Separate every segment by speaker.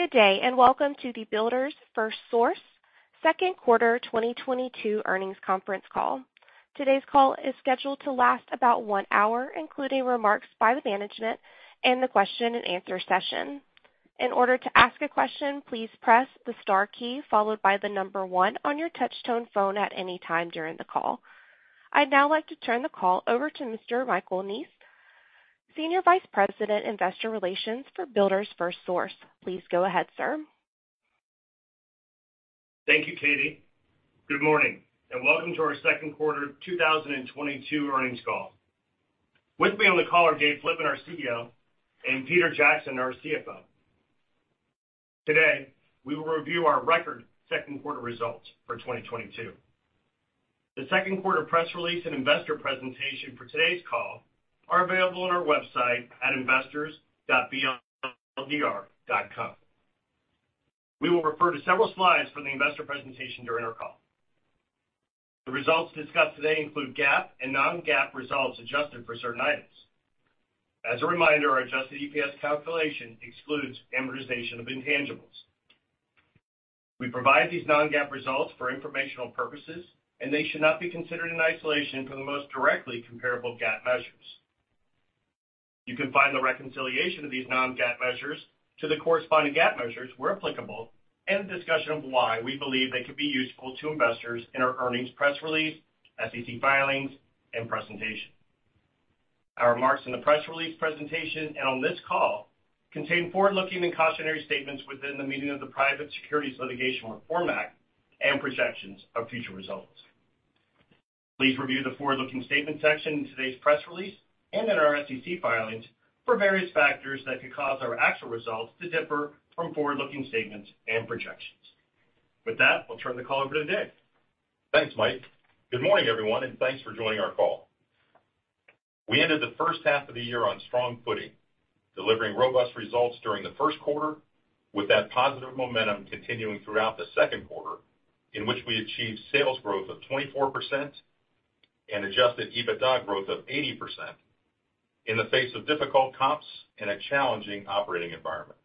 Speaker 1: Good day, and welcome to the Builders FirstSource Second Quarter 2022 Earnings Conference Call. Today's call is scheduled to last about one hour, including remarks by the management and the question and answer session. In order to ask a question, please press the star key followed by the number one on your touch-tone phone at any time during the call. I'd now like to turn the call over to Mr. Michael Neese, Senior Vice President, Investor Relations for Builders FirstSource. Please go ahead, sir.
Speaker 2: Thank you, Katie. Good morning, and welcome to our second quarter 2022 earnings call. With me on the call are Dave Flitman, our CEO, and Peter Jackson, our CFO. Today, we will review our record second quarter results for 2022. The second quarter press release and investor presentation for today's call are available on our website at investors.bldr.com. We will refer to several slides from the investor presentation during our call. The results discussed today include GAAP and non-GAAP results adjusted for certain items. As a reminder, our Adjusted EPS calculation excludes amortization of intangibles. We provide these non-GAAP results for informational purposes, and they should not be considered in isolation from the most directly comparable GAAP measures. You can find the reconciliation of these non-GAAP measures to the corresponding GAAP measures where applicable and a discussion of why we believe they could be useful to investors in our earnings press release, SEC filings, and presentation. Our remarks in the press release presentation and on this call contain forward-looking and cautionary statements within the meaning of the Private Securities Litigation Reform Act and projections of future results. Please review the forward-looking statement section in today's press release and in our SEC filings for various factors that could cause our actual results to differ from forward-looking statements and projections. With that, I'll turn the call over to Dave.
Speaker 3: Thanks, Mike. Good morning, everyone, and thanks for joining our call. We ended the first half of the year on strong footing, delivering robust results during the first quarter, with that positive momentum continuing throughout the second quarter, in which we achieved sales growth of 24% and Adjusted EBITDA growth of 80% in the face of difficult comps and a challenging operating environment.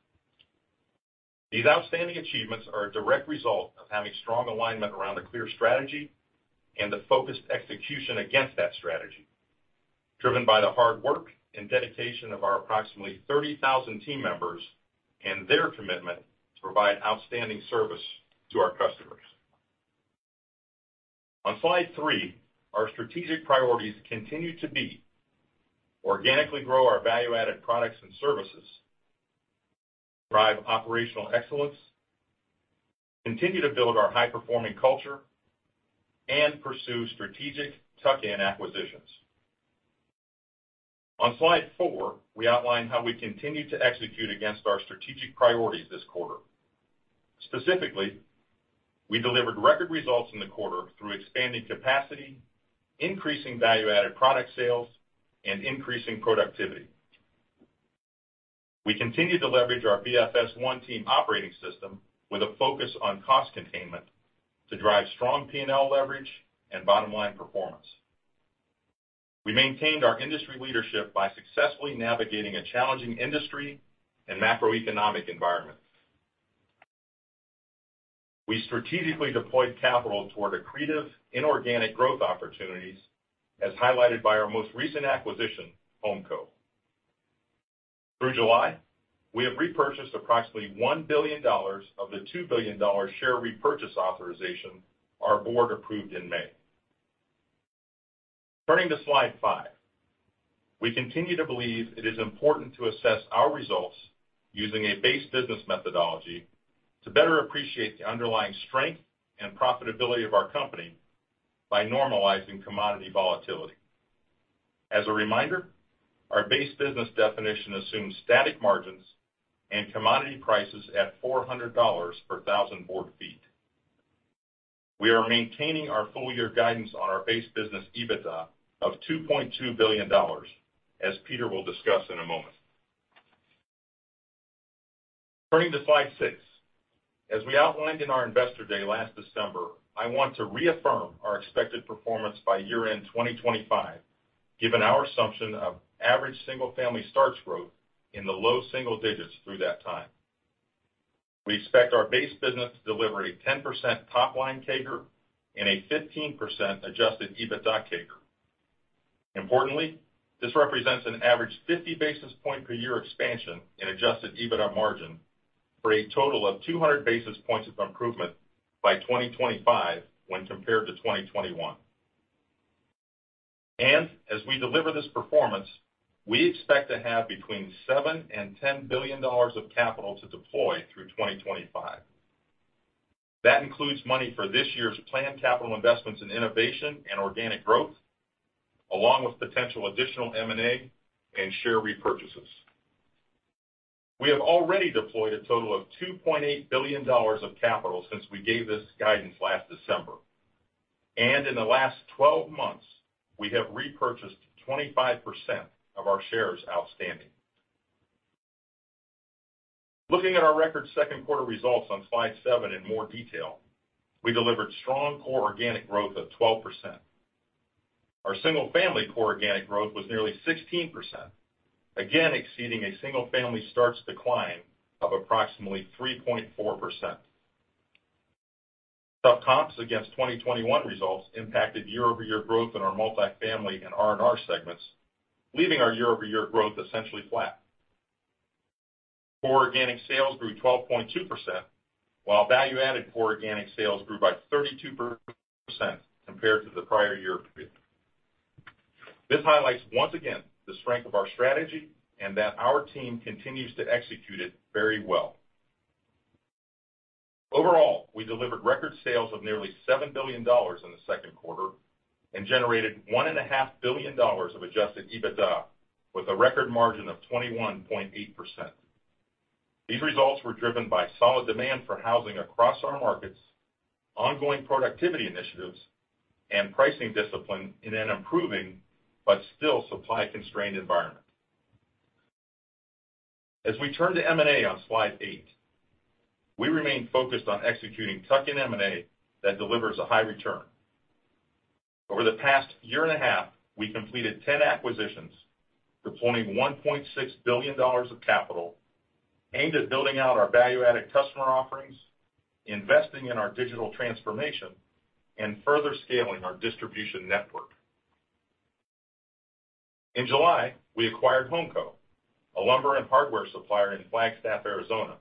Speaker 3: These outstanding achievements are a direct result of having strong alignment around a clear strategy and the focused execution against that strategy, driven by the hard work and dedication of our approximately 30,000 team members and their commitment to provide outstanding service to our customers. On slide three, our strategic priorities continue to be organically grow our value-added products and services, drive operational excellence, continue to build our high-performing culture, and pursue strategic tuck-in acquisitions. On slide four, we outline how we continue to execute against our strategic priorities this quarter. Specifically, we delivered record results in the quarter through expanding capacity, increasing value-added product sales, and increasing productivity. We continued to leverage our BFS One Team Operating System with a focus on cost containment to drive strong P&L leverage and bottom-line performance. We maintained our industry leadership by successfully navigating a challenging industry and macroeconomic environment. We strategically deployed capital toward accretive inorganic growth opportunities, as highlighted by our most recent acquisition, HomCo. Through July, we have repurchased approximately $1 billion of the $2 billion share repurchase authorization our board approved in May. Turning to slide five. We continue to believe it is important to assess our results using a base business methodology to better appreciate the underlying strength and profitability of our company by normalizing commodity volatility. As a reminder, our base business definition assumes static margins and commodity prices at $400 per thousand board feet. We are maintaining our full-year guidance on our base business EBITDA of $2.2 billion, as Peter will discuss in a moment. Turning to slide 6. As we outlined in our Investor Day last December, I want to reaffirm our expected performance by year-end 2025, given our assumption of average single-family starts growth in the low single digits through that time. We expect our base business to deliver a 10% top-line CAGR and a 15% Adjusted EBITDA CAGR. Importantly, this represents an average 50 basis points per year expansion in Adjusted EBITDA margin for a total of 200 basis points of improvement by 2025 when compared to 2021. As we deliver this performance, we expect to have between $7 billion and $10 billion of capital to deploy through 2025. That includes money for this year's planned capital investments in innovation and organic growth, along with potential additional M&A and share repurchases. We have already deployed a total of $2.8 billion of capital since we gave this guidance last December. In the last 12 months, we have repurchased 25% of our shares outstanding. Looking at our record second quarter results on slide seven in more detail, we delivered strong core organic growth of 12%. Our single-family core organic growth was nearly 16%, again exceeding a single-family starts decline of approximately 3.4%. Sub comps against 2021 results impacted year-over-year growth in our multifamily and R&R segments, leaving our year-over-year growth essentially flat. Core organic sales grew 12.2%, while value-added core organic sales grew by 32% compared to the prior year period. This highlights once again the strength of our strategy and that our team continues to execute it very well. Overall, we delivered record sales of nearly $7 billion in the second quarter and generated $1.5 billion of Adjusted EBITDA with a record margin of 21.8%. These results were driven by solid demand for housing across our markets, ongoing productivity initiatives, and pricing discipline in an improving but still supply-constrained environment. As we turn to M&A on slide eight, we remain focused on executing tuck-in M&A that delivers a high return. Over the past year and a half, we completed 10 acquisitions deploying $1.6 billion of capital aimed at building out our value-added customer offerings, investing in our digital transformation, and further scaling our distribution network. In July, we acquired HomCo, a lumber and hardware supplier in Flagstaff, Arizona,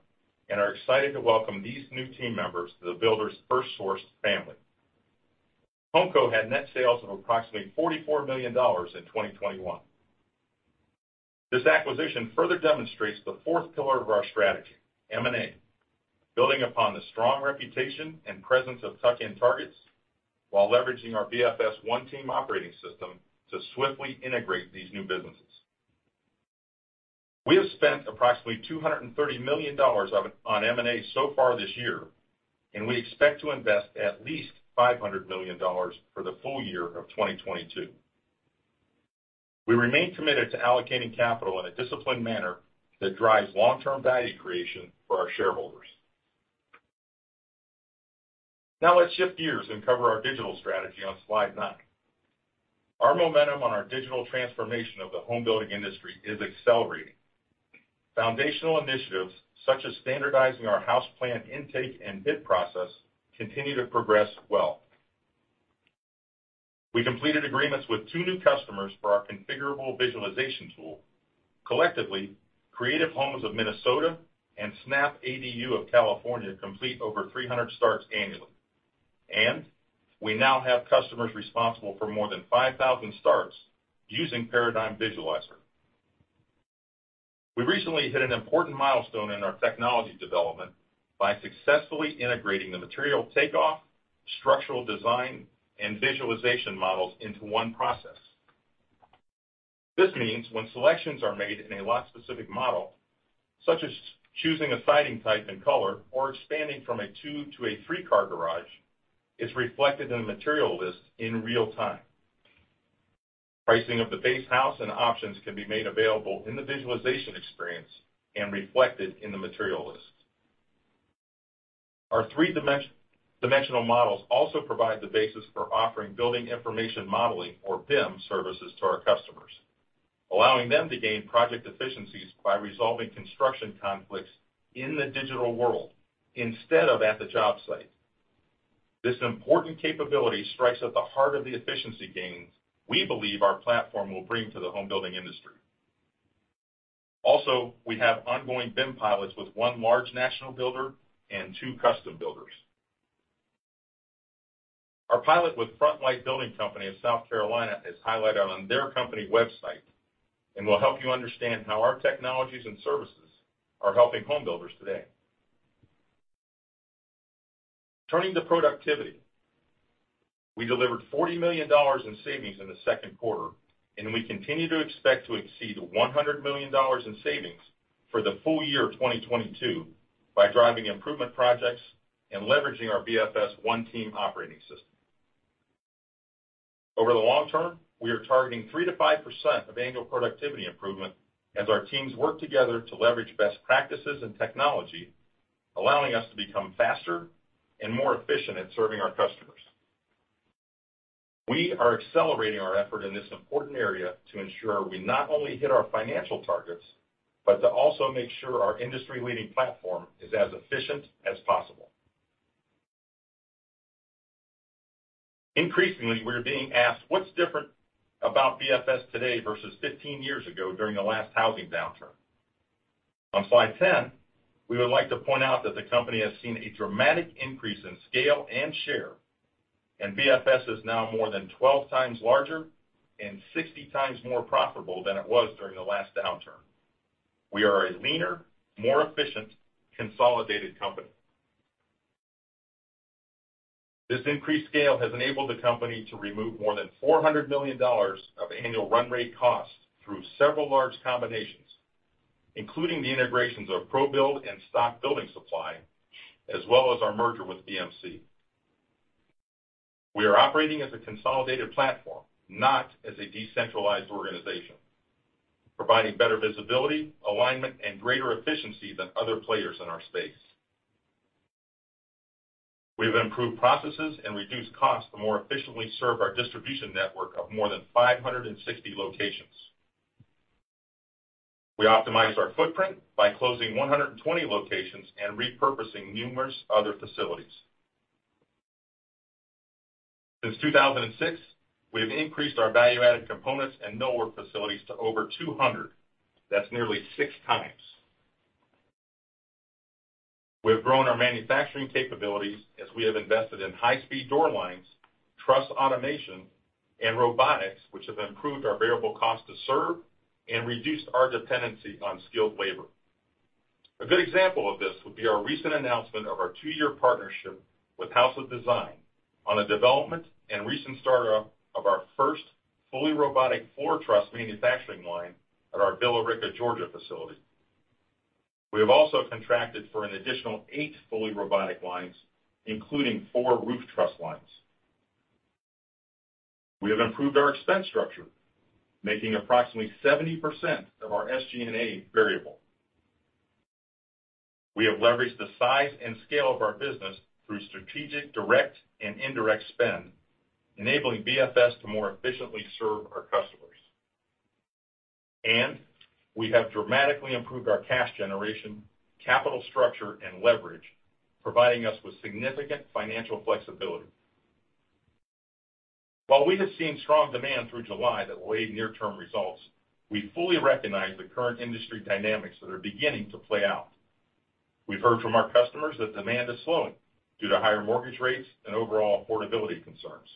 Speaker 3: and are excited to welcome these new team members to the Builders FirstSource family. HomCo had net sales of approximately $44 million in 2021. This acquisition further demonstrates the fourth pillar of our strategy, M&A, building upon the strong reputation and presence of tuck-in targets while leveraging our BFS One Team Operating System to swiftly integrate these new businesses. We have spent approximately $230 million of it on M&A so far this year, and we expect to invest at least $500 million for the full year of 2022. We remain committed to allocating capital in a disciplined manner that drives long-term value creation for our shareholders. Now let's shift gears and cover our digital strategy on slide nine. Our momentum on our digital transformation of the home building industry is accelerating. Foundational initiatives such as standardizing our house plan intake and bid process continue to progress well. We completed agreements with two new customers for our configurable visualization tool. Collectively, Creative Homes of Minnesota and SnapADU of California complete over 300 starts annually. We now have customers responsible for more than 5,000 starts using Paradigm Visualizer. We recently hit an important milestone in our technology development by successfully integrating the material takeoff, structural design, and visualization models into one process. This means when selections are made in a lot-specific model, such as choosing a siding type and color or expanding from a two to a three-car garage, is reflected in the material list in real time. Pricing of the base house and options can be made available in the visualization experience and reflected in the material list. Our three-dimensional models also provide the basis for offering building information modeling or BIM services to our customers, allowing them to gain project efficiencies by resolving construction conflicts in the digital world instead of at the job site. This important capability strikes at the heart of the efficiency gains we believe our platform will bring to the home building industry. Also, we have ongoing BIM pilots with one large national builder and two custom builders. Our pilot with Front Light Building Company of South Carolina is highlighted on their company website and will help you understand how our technologies and services are helping home builders today. Turning to productivity, we delivered $40 million in savings in the second quarter, and we continue to expect to exceed $100 million in savings for the full year of 2022 by driving improvement projects and leveraging our BFS One Team Operating System. Over the long term, we are targeting 3%-5% of annual productivity improvement as our teams work together to leverage best practices and technology, allowing us to become faster and more efficient at serving our customers. We are accelerating our effort in this important area to ensure we not only hit our financial targets, but to also make sure our industry-leading platform is as efficient as possible. Increasingly, we're being asked what's different about BFS today versus 15 years ago during the last housing downturn. On slide 10, we would like to point out that the company has seen a dramatic increase in scale and share, and BFS is now more than 12x larger and 60x more profitable than it was during the last downturn. We are a leaner, more efficient, consolidated company. This increased scale has enabled the company to remove more than $400 million of annual run rate costs through several large combinations, including the integrations of ProBuild and Stock Building Supply, as well as our merger with BMC. We are operating as a consolidated platform, not as a decentralized organization, providing better visibility, alignment, and greater efficiency than other players in our space. We have improved processes and reduced costs to more efficiently serve our distribution network of more than 560 locations. We optimized our footprint by closing 120 locations and repurposing numerous other facilities. Since 2006, we have increased our value-added components and millwork facilities to over 200. That's nearly 6x. We have grown our manufacturing capabilities as we have invested in high-speed door lines, truss automation, and robotics, which have improved our variable cost to serve and reduced our dependency on skilled labor. A good example of this would be our recent announcement of our two-year partnership with House of Design on the development and recent startup of our first fully robotic floor truss manufacturing line at our Villa Rica, Georgia facility. We have also contracted for an additional eight fully robotic lines, including four roof truss lines. We have improved our expense structure, making approximately 70% of our SG&A variable. We have leveraged the size and scale of our business through strategic, direct, and indirect spend, enabling BFS to more efficiently serve our customers. We have dramatically improved our cash generation, capital structure, and leverage, providing us with significant financial flexibility. While we have seen strong demand through July that will aid near-term results, we fully recognize the current industry dynamics that are beginning to play out. We've heard from our customers that demand is slowing due to higher mortgage rates and overall affordability concerns.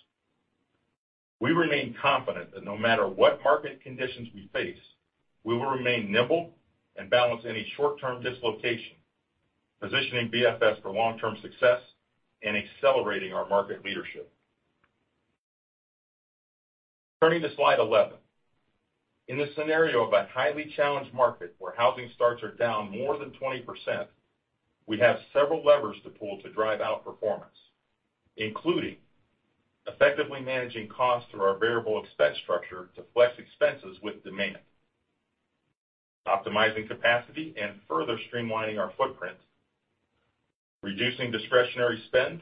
Speaker 3: We remain confident that no matter what market conditions we face, we will remain nimble and balance any short-term dislocation, positioning BFS for long-term success and accelerating our market leadership. Turning to slide 11. In the scenario of a highly challenged market where housing starts are down more than 20%, we have several levers to pull to drive out performance, including effectively managing costs through our variable expense structure to flex expenses with demand, optimizing capacity and further streamlining our footprint, reducing discretionary spend,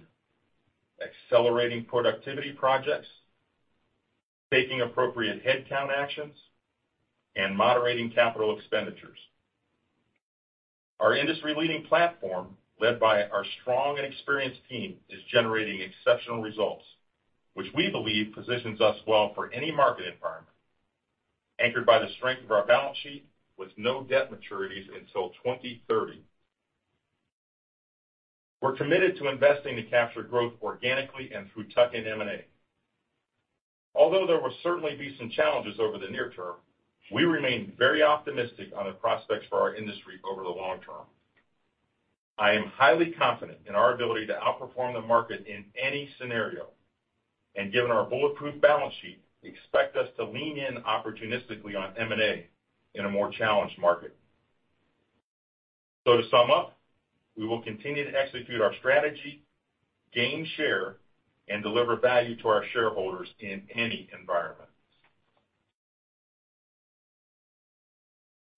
Speaker 3: accelerating productivity projects, taking appropriate headcount actions, and moderating capital expenditures. Our industry-leading platform, led by our strong and experienced team, is generating exceptional results, which we believe positions us well for any market environment, anchored by the strength of our balance sheet with no debt maturities until 2030. We're committed to investing to capture growth organically and through tuck-in M&A. Although there will certainly be some challenges over the near term, we remain very optimistic on the prospects for our industry over the long term. I am highly confident in our ability to outperform the market in any scenario, and given our bulletproof balance sheet, expect us to lean in opportunistically on M&A in a more challenged market. To sum up, we will continue to execute our strategy, gain share, and deliver value to our shareholders in any environment.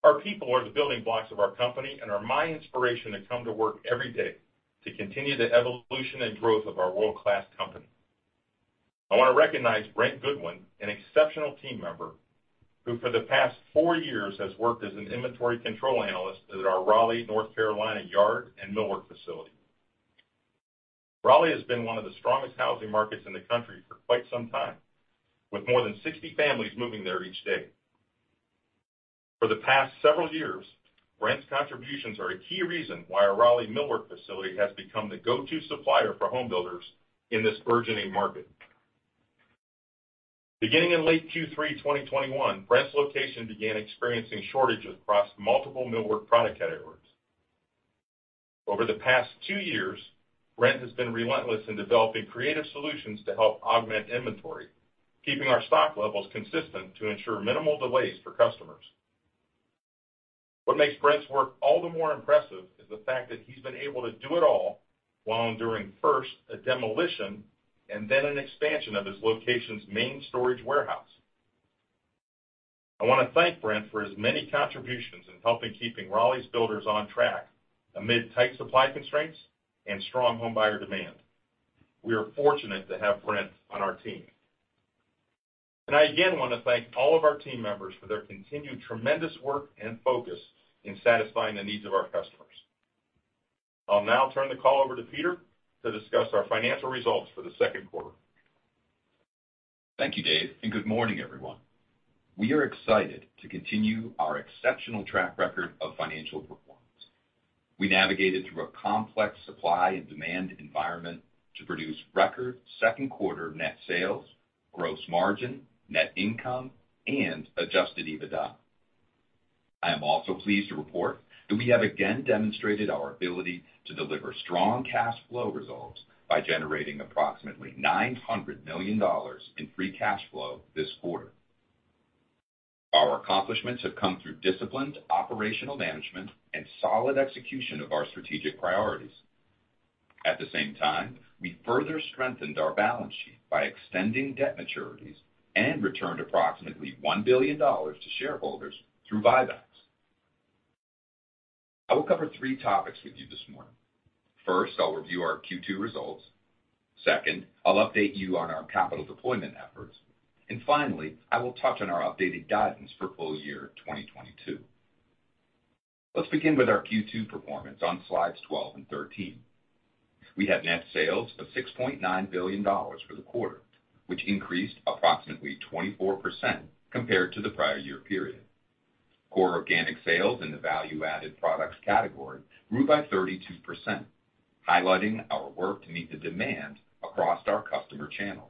Speaker 3: Our people are the building blocks of our company and are my inspiration to come to work every day to continue the evolution and growth of our world-class company. I want to recognize Brent Goodwin, an exceptional team member, who for the past four years has worked as an inventory control analyst at our Raleigh, North Carolina yard and millwork facility. Raleigh has been one of the strongest housing markets in the country for quite some time, with more than 60 families moving there each day. For the past several years, Brent's contributions are a key reason why our Raleigh millwork facility has become the go-to supplier for home builders in this burgeoning market. Beginning in late Q3 2021, Brent's location began experiencing shortages across multiple millwork product categories. Over the past two years, Brent has been relentless in developing creative solutions to help augment inventory, keeping our stock levels consistent to ensure minimal delays for customers. What makes Brent's work all the more impressive is the fact that he's been able to do it all while enduring first a demolition and then an expansion of his location's main storage warehouse. I want to thank Brent for his many contributions in helping keep Raleigh's builders on track amid tight supply constraints and strong home buyer demand. We are fortunate to have Brent on our team. I again want to thank all of our team members for their continued tremendous work and focus in satisfying the needs of our customers. I'll now turn the call over to Peter to discuss our financial results for the second quarter.
Speaker 4: Thank you, Dave, and good morning, everyone. We are excited to continue our exceptional track record of financial performance. We navigated through a complex supply and demand environment to produce record second quarter net sales, gross margin, net income, and Adjusted EBITDA. I am also pleased to report that we have again demonstrated our ability to deliver strong cash flow results by generating approximately $900 million in free cash flow this quarter. Our accomplishments have come through disciplined operational management and solid execution of our strategic priorities. At the same time, we further strengthened our balance sheet by extending debt maturities and returned approximately $1 billion to shareholders through buybacks. I will cover three topics with you this morning. First, I'll review our Q2 results. Second, I'll update you on our capital deployment efforts. Finally, I will touch on our updated guidance for full year 2022. Let's begin with our Q2 performance on slides 12 and 13. We had net sales of $6.9 billion for the quarter, which increased approximately 24% compared to the prior year period. Core organic sales in the value-added products category grew by 32%, highlighting our work to meet the demand across our customer channels.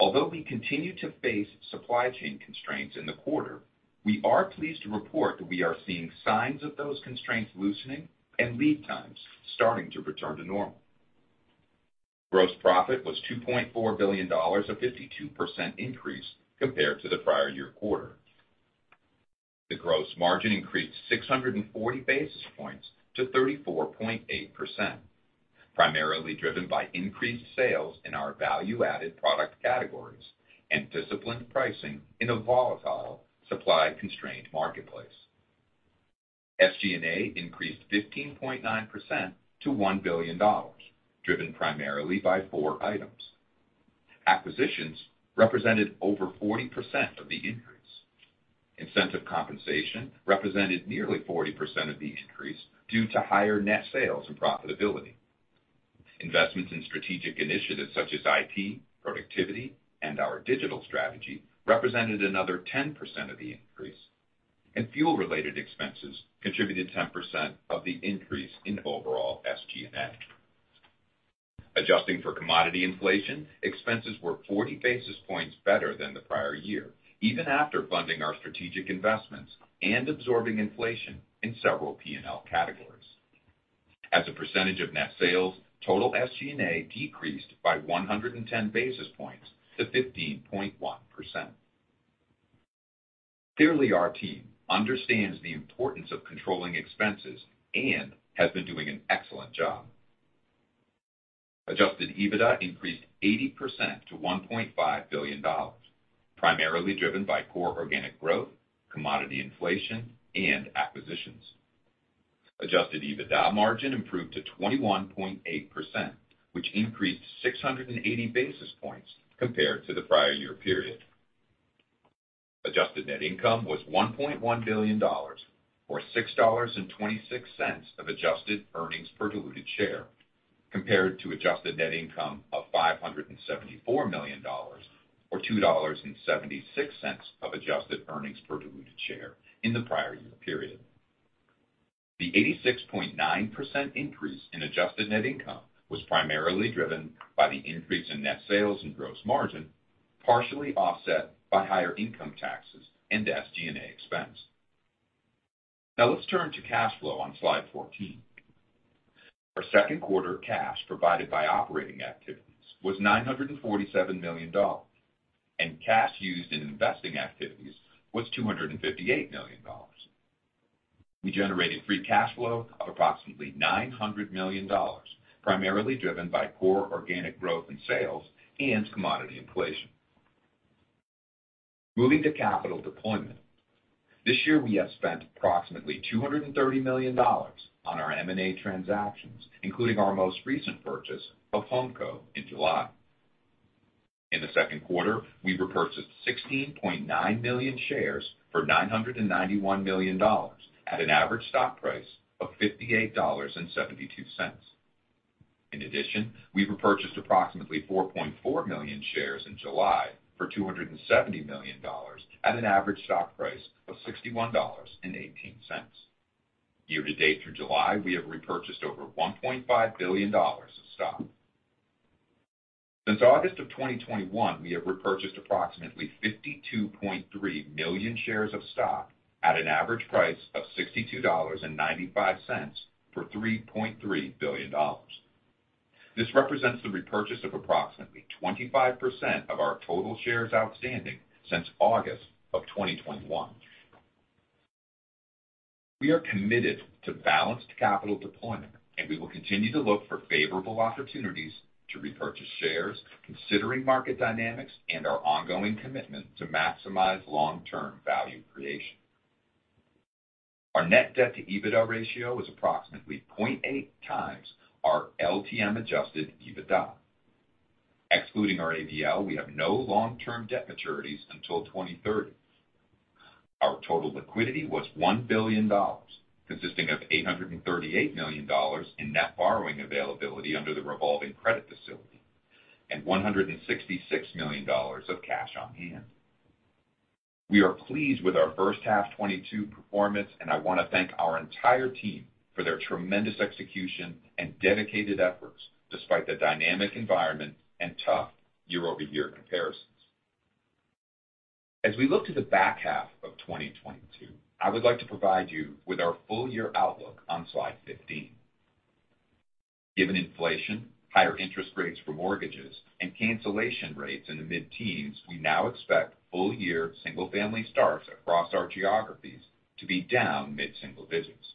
Speaker 4: Although we continue to face supply chain constraints in the quarter, we are pleased to report that we are seeing signs of those constraints loosening and lead times starting to return to normal. Gross profit was $2.4 billion, a 52% increase compared to the prior year quarter. The gross margin increased 640 basis points to 34.8%, primarily driven by increased sales in our value-added product categories and disciplined pricing in a volatile supply-constrained marketplace. SG&A increased 15.9% to $1 billion, driven primarily by four items. Acquisitions represented over 40% of the increase. Incentive compensation represented nearly 40% of the increase due to higher net sales and profitability. Investments in strategic initiatives such as IT, productivity, and our digital strategy represented another 10% of the increase, and fuel-related expenses contributed 10% of the increase in overall SG&A. Adjusting for commodity inflation, expenses were 40 basis points better than the prior year, even after funding our strategic investments and absorbing inflation in several P&L categories. As a percentage of net sales, total SG&A decreased by 110 basis points to 15.1%. Clearly, our team understands the importance of controlling expenses and has been doing an excellent job. Adjusted EBITDA increased 80% to $1.5 billion, primarily driven by core organic growth, commodity inflation, and acquisitions. Adjusted EBITDA margin improved to 21.8%, which increased 680 basis points compared to the prior year period. Adjusted net income was $1.1 billion, or $6.26 of adjusted earnings per diluted share, compared to adjusted net income of $574 million or $2.76 of adjusted earnings per diluted share in the prior year period. The 86.9% increase in adjusted net income was primarily driven by the increase in net sales and gross margin, partially offset by higher income taxes and SG&A expense. Now let's turn to cash flow on slide 14. Our second quarter cash provided by operating activities was $947 million, and cash used in investing activities was $258 million. We generated free cash flow of approximately $900 million, primarily driven by core organic growth in sales and commodity inflation. Moving to capital deployment. This year we have spent approximately $230 million on our M&A transactions, including our most recent purchase of HomCo in July. In the second quarter, we repurchased 16.9 million shares for $991 million at an average stock price of $58.72. In addition, we repurchased approximately 4.4 million shares in July for $270 million at an average stock price of $61.18. Year-to-date through July, we have repurchased over $1.5 billion of stock. Since August of 2021, we have repurchased approximately 52.3 million shares of stock at an average price of $62.95 for $3.3 billion. This represents the repurchase of approximately 25% of our total shares outstanding since August of 2021. We are committed to balanced capital deployment, and we will continue to look for favorable opportunities to repurchase shares, considering market dynamics and our ongoing commitment to maximize long-term value creation. Our net debt to EBITDA ratio was approximately 0.8x our LTM Adjusted EBITDA. Excluding our ABL, we have no long-term debt maturities until 2030. Our total liquidity was $1 billion, consisting of $838 million in net borrowing availability under the revolving credit facility and $166 million of cash on hand. We are pleased with our first half 2022 performance, and I want to thank our entire team for their tremendous execution and dedicated efforts despite the dynamic environment and tough year-over-year comparisons. As we look to the back half of 2022, I would like to provide you with our full year outlook on slide 15. Given inflation, higher interest rates for mortgages, and cancellation rates in the mid-teens, we now expect full-year single-family starts across our geographies to be down mid-single digits.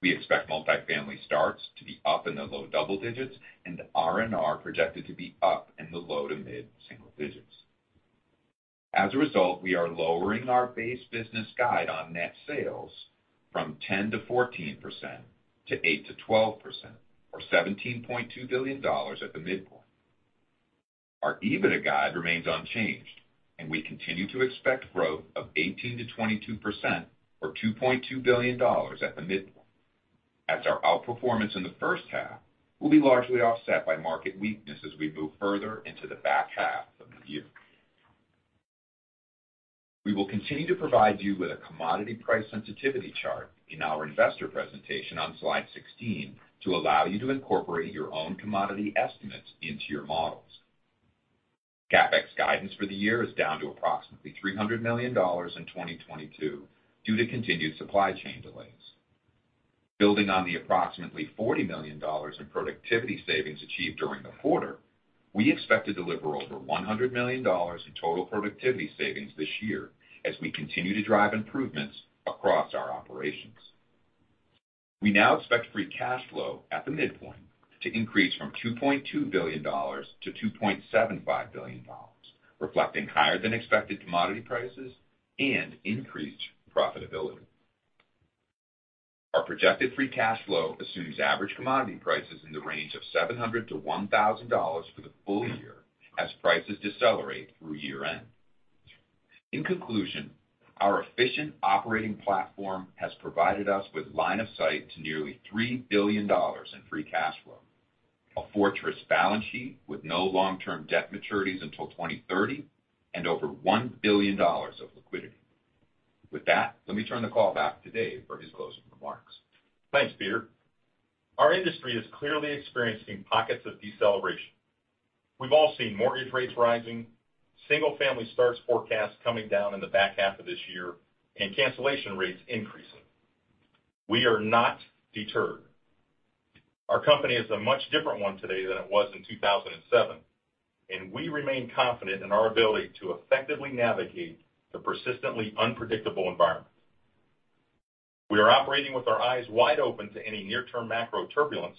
Speaker 4: We expect multifamily starts to be up in the low double digits and R&R projected to be up in the low to mid-single digits. As a result, we are lowering our base business guide on net sales from 10%-14% to 8%-12%, or $17.2 billion at the midpoint. Our EBITDA guide remains unchanged, and we continue to expect growth of 18%-22% or $2.2 billion at the midpoint as our outperformance in the first half will be largely offset by market weakness as we move further into the back half of the year. We will continue to provide you with a commodity price sensitivity chart in our investor presentation on slide 16 to allow you to incorporate your own commodity estimates into your models. CapEx guidance for the year is down to approximately $300 million in 2022 due to continued supply chain delays. Building on the approximately $40 million in productivity savings achieved during the quarter, we expect to deliver over $100 million in total productivity savings this year as we continue to drive improvements across our operations. We now expect free cash flow at the midpoint to increase from $2.2 billion to $2.75 billion, reflecting higher than expected commodity prices and increased profitability. Our projected free cash flow assumes average commodity prices in the range of $700-$1,000 for the full year as prices decelerate through year-end. In conclusion, our efficient operating platform has provided us with line of sight to nearly $3 billion in free cash flow, a fortress balance sheet with no long-term debt maturities until 2030, and over $1 billion of liquidity. With that, let me turn the call back to Dave for his closing remarks.
Speaker 3: Thanks, Peter. Our industry is clearly experiencing pockets of deceleration. We've all seen mortgage rates rising, single-family starts forecasts coming down in the back half of this year, and cancellation rates increasing. We are not deterred. Our company is a much different one today than it was in 2007, and we remain confident in our ability to effectively navigate the persistently unpredictable environment. We are operating with our eyes wide open to any near-term macro turbulence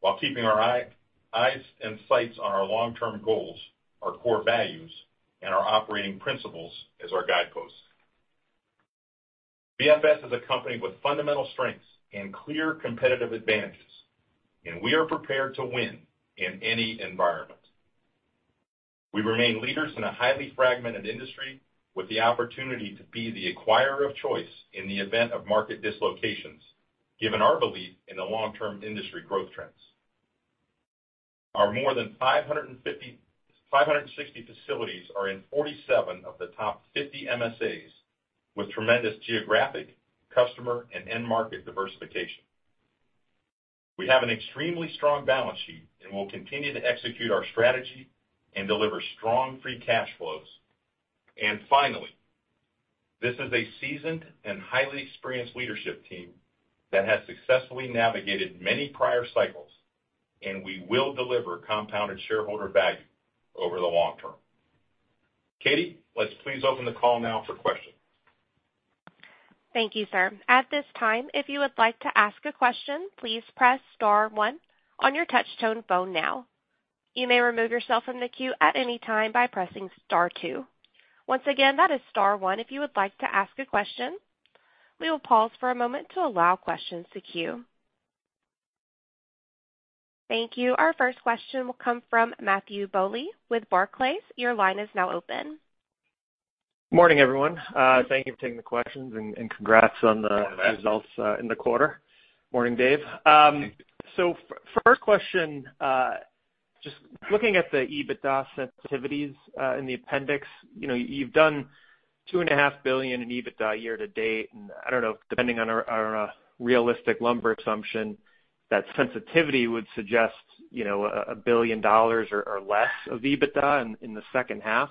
Speaker 3: while keeping our eyes and sights on our long-term goals, our core values, and our operating principles as our guideposts. BFS is a company with fundamental strengths and clear competitive advantages, and we are prepared to win in any environment. We remain leaders in a highly fragmented industry with the opportunity to be the acquirer of choice in the event of market dislocations, given our belief in the long-term industry growth trends. Our more than 560 facilities are in 47 of the top 50 MSAs, with tremendous geographic, customer, and end market diversification. We have an extremely strong balance sheet, and we'll continue to execute our strategy and deliver strong free cash flows. Finally, this is a seasoned and highly experienced leadership team that has successfully navigated many prior cycles, and we will deliver compounded shareholder value over the long term. Katie, let's please open the call now for questions.
Speaker 1: Thank you, sir. At this time, if you would like to ask a question, please press star one on your touch-tone phone now. You may remove yourself from the queue at any time by pressing star two. Once again, that is star one if you would like to ask a question. We will pause for a moment to allow questions to queue. Thank you. Our first question will come from Matthew Bouley with Barclays. Your line is now open.
Speaker 5: Morning, everyone. Thank you for taking the questions and congrats on the results in the quarter. Morning, Dave. First question, just looking at the EBITDA sensitivities in the appendix, you know, you've done $2.5 billion in EBITDA year-to-date. I don't know, depending on our realistic lumber assumption, that sensitivity would suggest, you know, a $1 billion or less of EBITDA in the second half.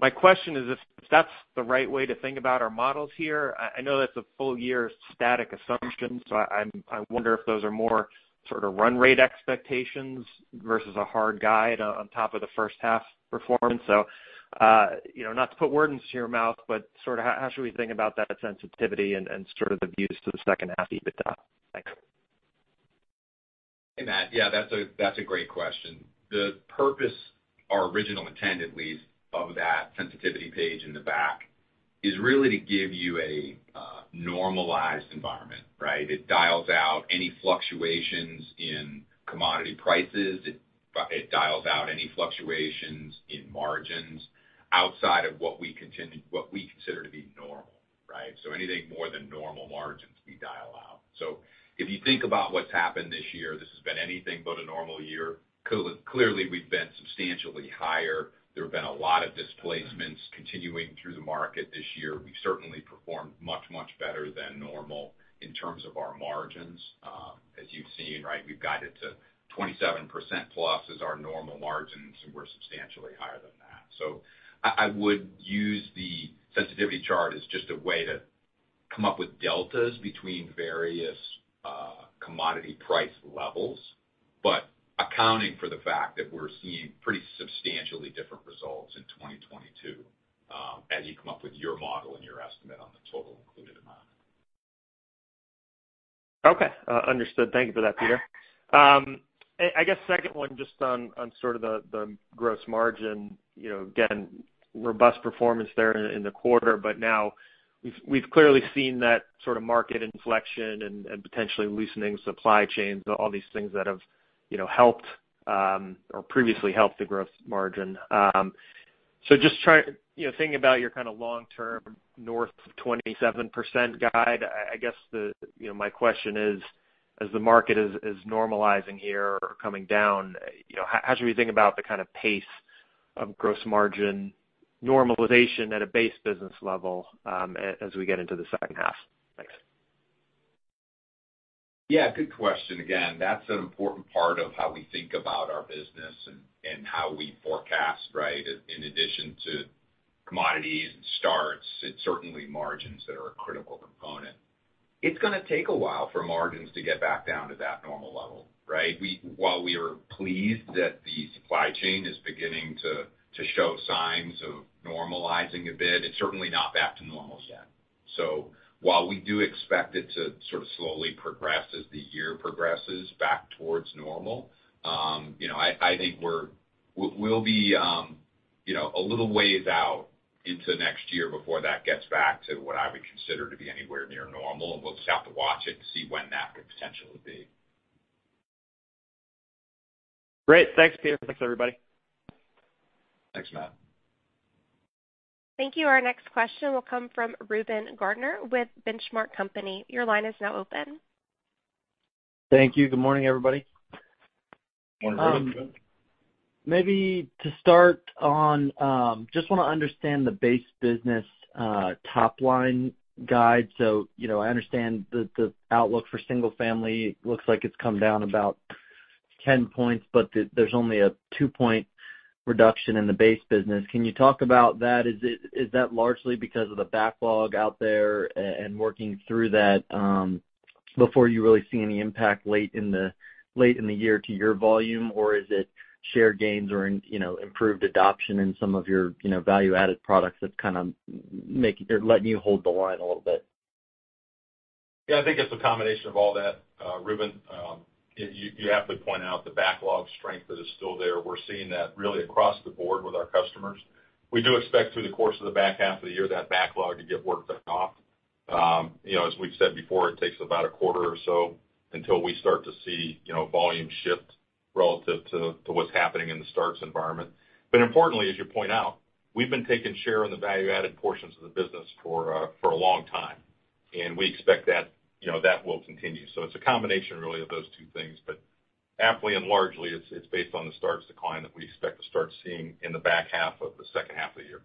Speaker 5: My question is if that's the right way to think about our models here. I know that's a full year static assumption, so I wonder if those are more sort of run rate expectations versus a hard guide on top of the first half performance. You know, not to put words into your mouth, but sort of how should we think about that sensitivity and sort of the views to the second half EBITDA? Thanks.
Speaker 4: Hey, Matthew. Yeah, that's a great question. The purpose, or original intent at least, of that sensitivity page in the back is really to give you a normalized environment, right? It dials out any fluctuations in commodity prices. It dials out any fluctuations in margins outside of what we consider to be normal, right? Anything more than normal margins, we dial out. If you think about what's happened this year, this has been anything but a normal year. Clearly, we've been substantially higher. There have been a lot of displacements continuing through the market this year. We've certainly performed much better than normal in terms of our margins, as you've seen, right? We've guided to 27%+ as our normal margins, and we're substantially higher than that. I would use the sensitivity chart as just a way to come up with deltas between various commodity price levels. Accounting for the fact that we're seeing pretty substantially different results in 2022, as you come up with your model and your estimate on the total included amount.
Speaker 5: Okay. Understood. Thank you for that, Peter. I guess second one just on sort of the gross margin, you know, again, robust performance there in the quarter. Now we've clearly seen that sort of market inflection and potentially loosening supply chains, all these things that have, you know, helped or previously helped the gross margin. You know, thinking about your kind of long-term north of 27% guide, I guess the, you know, my question is, as the market is normalizing here or coming down, you know, how should we think about the kind of pace of gross margin normalization at a base business level, as we get into the second half? Thanks.
Speaker 4: Yeah, good question. Again, that's an important part of how we think about our business and how we forecast, right? In addition to commodities and starts, it's certainly margins that are a critical component. It's gonna take a while for margins to get back down to that normal level, right? While we are pleased that the supply chain is beginning to show signs of normalizing a bit, it's certainly not back to normal yet. So while we do expect it to sort of slowly progress as the year progresses back towards normal, you know, I think we'll be a little ways out into next year before that gets back to what I would consider to be anywhere near normal. We'll just have to watch it to see when that could potentially be.
Speaker 5: Great. Thanks, Peter. Thanks, everybody.
Speaker 4: Thanks, Matt.
Speaker 1: Thank you. Our next question will come from Reuben Garner with The Benchmark Company. Your line is now open.
Speaker 6: Thank you. Good morning, everybody.
Speaker 4: Morning, Reuben.
Speaker 6: Maybe to start on, just wanna understand the base business, top line guide. You know, I understand the outlook for single-family. It looks like it's come down about 10 points, but there's only a two-point reduction in the base business. Can you talk about that? Is that largely because of the backlog out there and working through that before you really see any impact late in the year to your volume, or is it share gains or you know, improved adoption in some of your, you know, value-added products that's kind of making or letting you hold the line a little bit?
Speaker 3: Yeah. I think it's a combination of all that, Reuben. You have to point out the backlog strength that is still there. We're seeing that really across the board with our customers. We do expect through the course of the back half of the year that backlog to get worked back off. You know, as we've said before, it takes about a quarter or so until we start to see you know, volume shift relative to what's happening in the starts environment. But importantly, as you point out, we've been taking share in the value-added portions of the business for a long time, and we expect that you know, that will continue. It's a combination really of those two things. Aptly and largely it's based on the starts decline that we expect to start seeing in the back half of the second half of the year.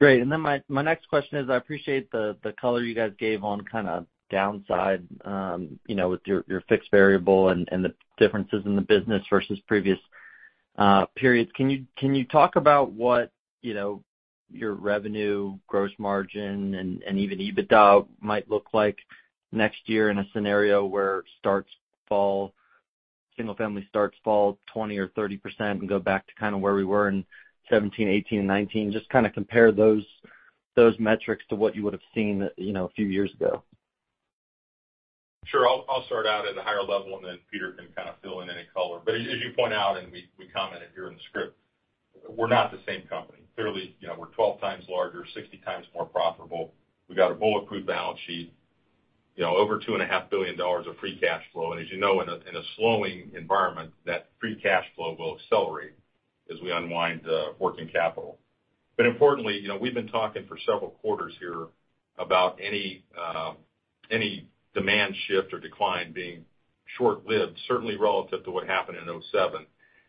Speaker 6: Great. Then my next question is, I appreciate the color you guys gave on kind of downside, you know, with your fixed variable and the differences in the business versus previous periods. Can you talk about what your revenue gross margin and even EBITDA might look like next year in a scenario where starts fall, single family starts fall 20% or 30% and go back to kind of where we were in 2017, 2018, and 2019? Just kind of compare those metrics to what you would've seen, you know, a few years ago.
Speaker 3: Sure. I'll start out at a higher level and then Peter can kind of fill in any color. As you point out and we commented here in the script, we're not the same company. Clearly, you know, we're 12 times larger, 60 times more profitable. We've got a bulletproof balance sheet, you know, over $2.5 billion of free cash flow. As you know, in a slowing environment, that free cash flow will accelerate as we unwind working capital. Importantly, you know, we've been talking for several quarters here about any demand shift or decline being short-lived, certainly relative to what happened in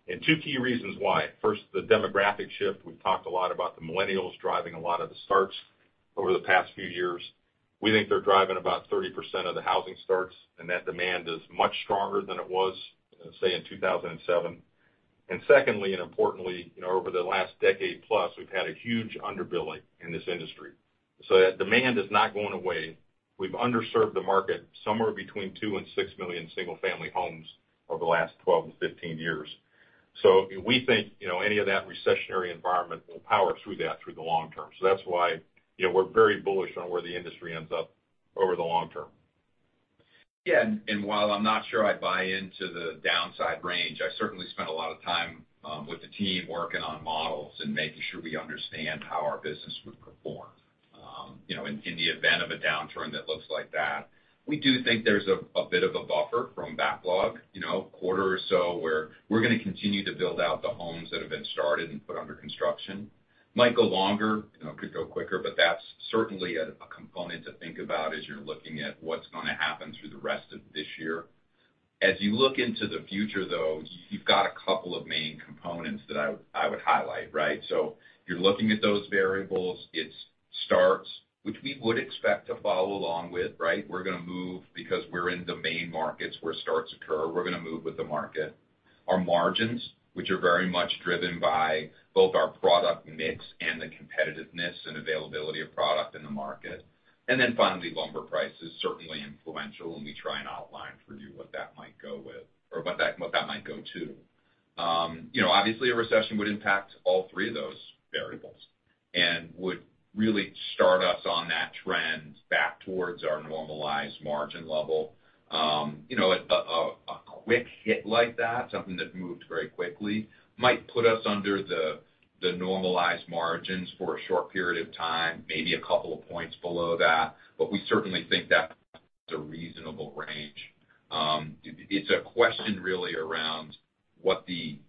Speaker 3: 2007. Two key reasons why. First, the demographic shift. We've talked a lot about the millennials driving a lot of the starts over the past few years. We think they're driving about 30% of the housing starts, and that demand is much stronger than it was, say, in 2007. Secondly, and importantly, you know, over the last decade plus, we've had a huge underbuilding in this industry. That demand is not going away. We've underserved the market somewhere between 2 million and 6 million single-family homes over the last 12-15 years. We think, you know, any of that recessionary environment will power through that through the long term. That's why, you know, we're very bullish on where the industry ends up over the long term.
Speaker 4: Yeah. While I'm not sure I'd buy into the downside range, I certainly spent a lot of time with the team working on models and making sure we understand how our business would perform, you know, in the event of a downturn that looks like that. We do think there's a bit of a buffer from backlog, you know, a quarter or so where we're gonna continue to build out the homes that have been started and put under construction. Might go longer, you know, could go quicker, but that's certainly a component to think about as you're looking at what's gonna happen through the rest of this year. As you look into the future, though, you've got a couple of main components that I would highlight, right? You're looking at those variables, it's starts, which we would expect to follow along with, right? We're gonna move because we're in the main markets where starts occur. We're gonna move with the market.
Speaker 3: Our margins, which are very much driven by both our product mix and the competitiveness and availability of product in the market. Finally, lumber prices certainly influential, and we try and outline for you what that might go to. You know, obviously a recession would impact all three of those variables and would really start us on that trend back towards our normalized margin level. You know, a quick hit like that, something that moved very quickly, might put us under the normalized margins for a short period of time, maybe a couple of points below that. We certainly think that's a reasonable range. It's a question really around what the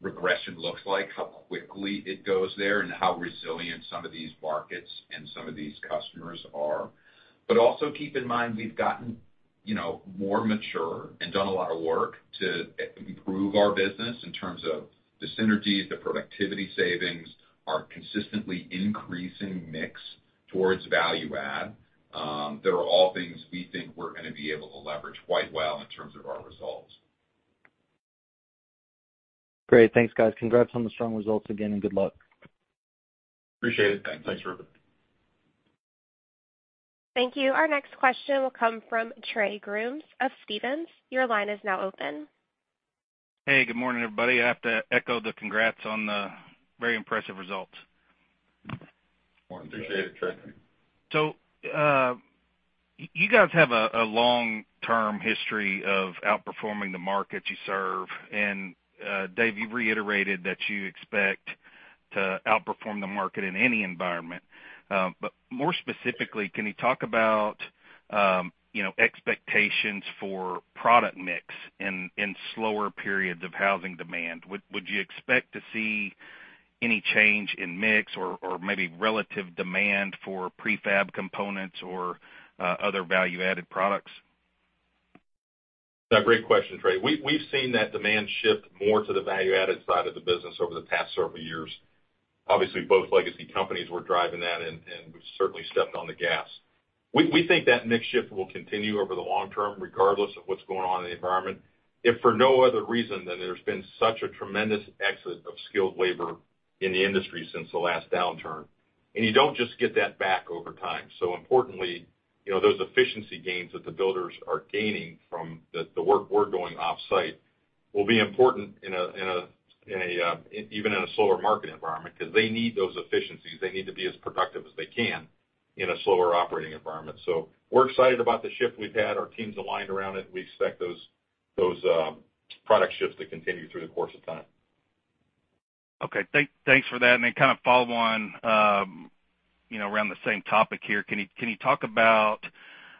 Speaker 3: recession looks like, how quickly it goes there, and how resilient some of these markets and some of these customers are. keep in mind, we've gotten, you know, more mature and done a lot of work to improve our business in terms of the synergies, the productivity savings, our consistently increasing mix towards value-add. There are all things we think we're gonna be able to leverage quite well in terms of our results.
Speaker 6: Great. Thanks, guys. Congrats on the strong results again and good luck.
Speaker 3: Appreciate it. Thanks, Reuben.
Speaker 1: Thank you. Our next question will come from Trey Grooms of Stephens. Your line is now open.
Speaker 7: Hey, good morning, everybody. I have to echo the congrats on the very impressive results.
Speaker 3: Appreciate it, Trey.
Speaker 7: You guys have a long-term history of outperforming the markets you serve. Dave, you reiterated that you expect to outperform the market in any environment. More specifically, can you talk about, you know, expectations for product mix in slower periods of housing demand? Would you expect to see any change in mix or maybe relative demand for prefab components or other value-added products?
Speaker 3: Great question, Trey. We've seen that demand shift more to the value-added side of the business over the past several years. Obviously, both legacy companies were driving that, and we've certainly stepped on the gas. We think that mix shift will continue over the long term, regardless of what's going on in the environment, if for no other reason than there's been such a tremendous exit of skilled labor in the industry since the last downturn. You don't just get that back over time. Importantly, you know, those efficiency gains that the builders are gaining from the work we're doing off-site will be important in a even in a slower market environment, 'cause they need those efficiencies. They need to be as productive as they can in a slower operating environment. We're excited about the shift we've had. Our team's aligned around it. We expect those product shifts to continue through the course of time.
Speaker 7: Okay. Thanks for that. Kind of follow on, you know, around the same topic here. Can you talk about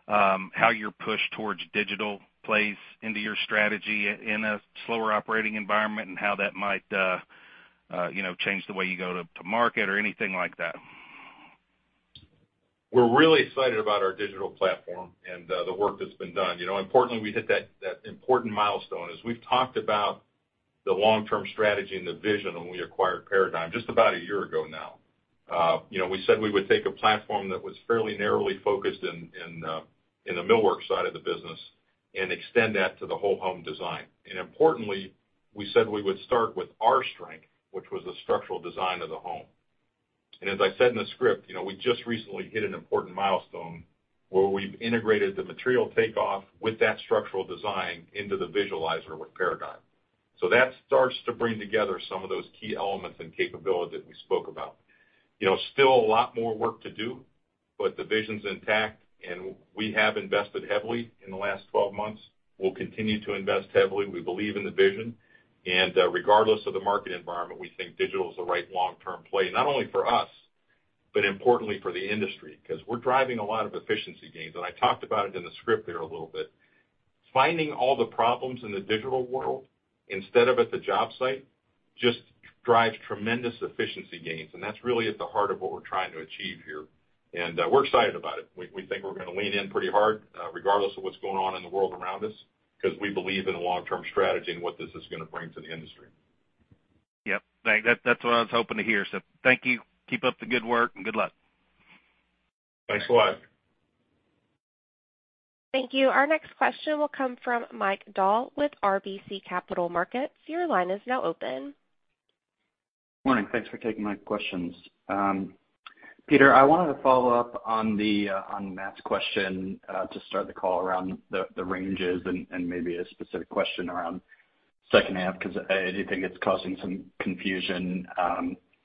Speaker 7: how your push towards digital plays into your strategy in a slower operating environment and how that might, you know, change the way you go to market or anything like that?
Speaker 3: We're really excited about our digital platform and the work that's been done. You know, importantly, we hit that important milestone as we've talked about the long-term strategy and the vision when we acquired Paradigm just about a year ago now. You know, we said we would take a platform that was fairly narrowly focused in the millwork side of the business and extend that to the whole home design. Importantly, we said we would start with our strength, which was the structural design of the home. As I said in the script, you know, we just recently hit an important milestone where we've integrated the material takeoff with that structural design into the Visualizer with Paradigm. That starts to bring together some of those key elements and capability that we spoke about. You know, still a lot more work to do, but the vision's intact, and we have invested heavily in the last 12 months. We'll continue to invest heavily. We believe in the vision. Regardless of the market environment, we think digital is the right long-term play, not only for us, but importantly for the industry, because we're driving a lot of efficiency gains. I talked about it in the script there a little bit. Finding all the problems in the digital world instead of at the job site just drives tremendous efficiency gains, and that's really at the heart of what we're trying to achieve here. We're excited about it. We think we're going to lean in pretty hard, regardless of what's going on in the world around us because we believe in the long-term strategy and what this is going to bring to the industry.
Speaker 7: Yep. That, that's what I was hoping to hear. Thank you. Keep up the good work and good luck.
Speaker 3: Thanks a lot.
Speaker 1: Thank you. Our next question will come from Mike Dahl with RBC Capital Markets. Your line is now open.
Speaker 8: Morning. Thanks for taking my questions. Peter, I wanted to follow up on the on Matt's question to start the call around the ranges and maybe a specific question around second half, because I do think it's causing some confusion.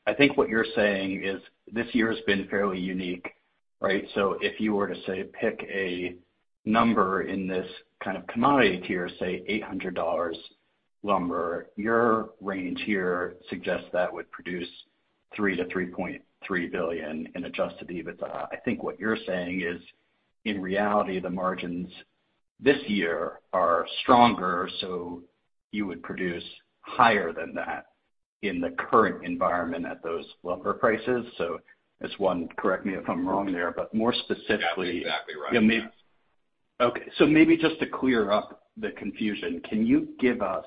Speaker 8: I think what you're saying is this year has been fairly unique, right? So if you were to say pick a number in this kind of commodity tier, say $800 lumber, your range here suggests that would produce $3 billion-$3.3 billion in Adjusted EBITDA. I think what you're saying is, in reality, the margins this year are stronger, so you would produce higher than that in the current environment at those lumber prices. So as one, correct me if I'm wrong there, but more specifically-
Speaker 3: That's exactly right.
Speaker 8: Okay. Maybe just to clear up the confusion, can you give us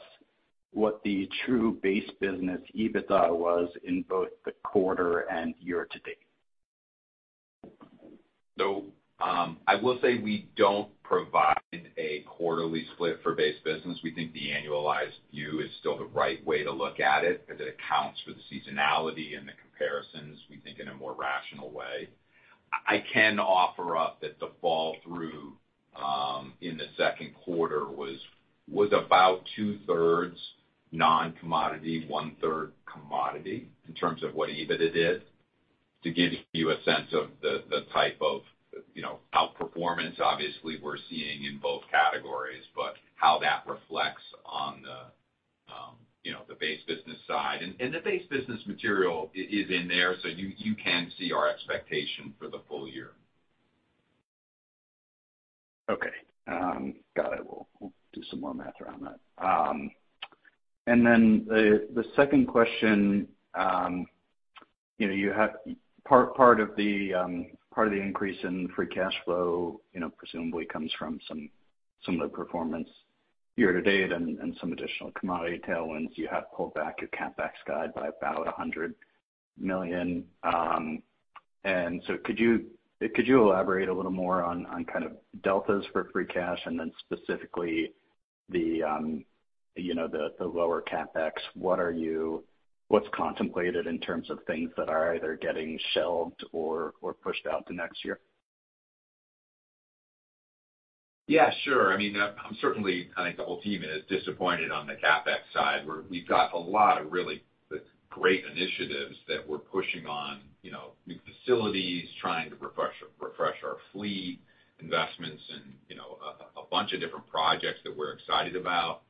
Speaker 8: what the true base business EBITDA was in both the quarter and year-to-date?
Speaker 4: I will say we don't provide a quarterly split for base business. We think the annualized view is still the right way to look at it, as it accounts for the seasonality and the comparisons, we think, in a more rational way. I can offer up that the flow-through in the second quarter was about two-thirds non-commodity, one-third commodity in terms of what EBIT it is, to give you a sense of the type of, you know, outperformance obviously we're seeing in both categories, but how that reflects on the, you know, the base business side. The base business margin is in there, so you can see our expectation for the full year.
Speaker 8: Okay. Got it. We'll do some more math around that. The second question, you know, you have part of the increase in free cash flow, you know, presumably comes from some of the performance year to date and some additional commodity tailwinds. You have pulled back your CapEx guide by about $100 million. Could you elaborate a little more on kind of deltas for free cash and then specifically, you know, the lower CapEx? What's contemplated in terms of things that are either getting shelved or pushed out to next year?
Speaker 4: Yeah, sure. I mean, I'm certainly, I think the whole team is disappointed on the CapEx side, where we've got a lot of really the great initiatives that we're pushing on, you know, new facilities, trying to refresh our fleet, investments in, you know, a bunch of different projects that we're excited about.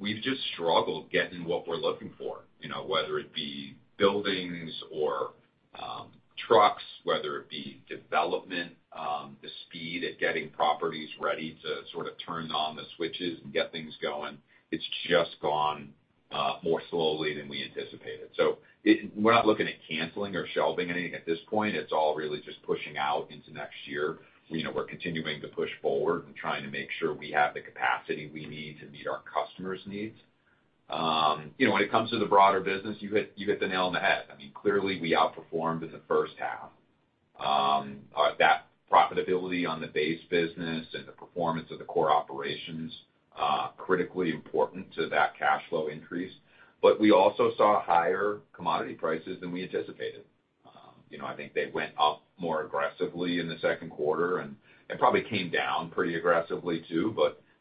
Speaker 4: We've just struggled getting what we're looking for, you know, whether it be buildings or trucks, whether it be development, the speed at getting properties ready to sort of turn on the switches and get things going. It's just gone more slowly than we anticipated. It. We're not looking at canceling or shelving anything at this point. It's all really just pushing out into next year. You know, we're continuing to push forward and trying to make sure we have the capacity we need to meet our customers' needs. You know, when it comes to the broader business, you hit the nail on the head. I mean, clearly we outperformed in the first half. That profitability on the base business and the performance of the core operations critically important to that cash flow increase. We also saw higher commodity prices than we anticipated. You know, I think they went up more aggressively in the second quarter and it probably came down pretty aggressively too.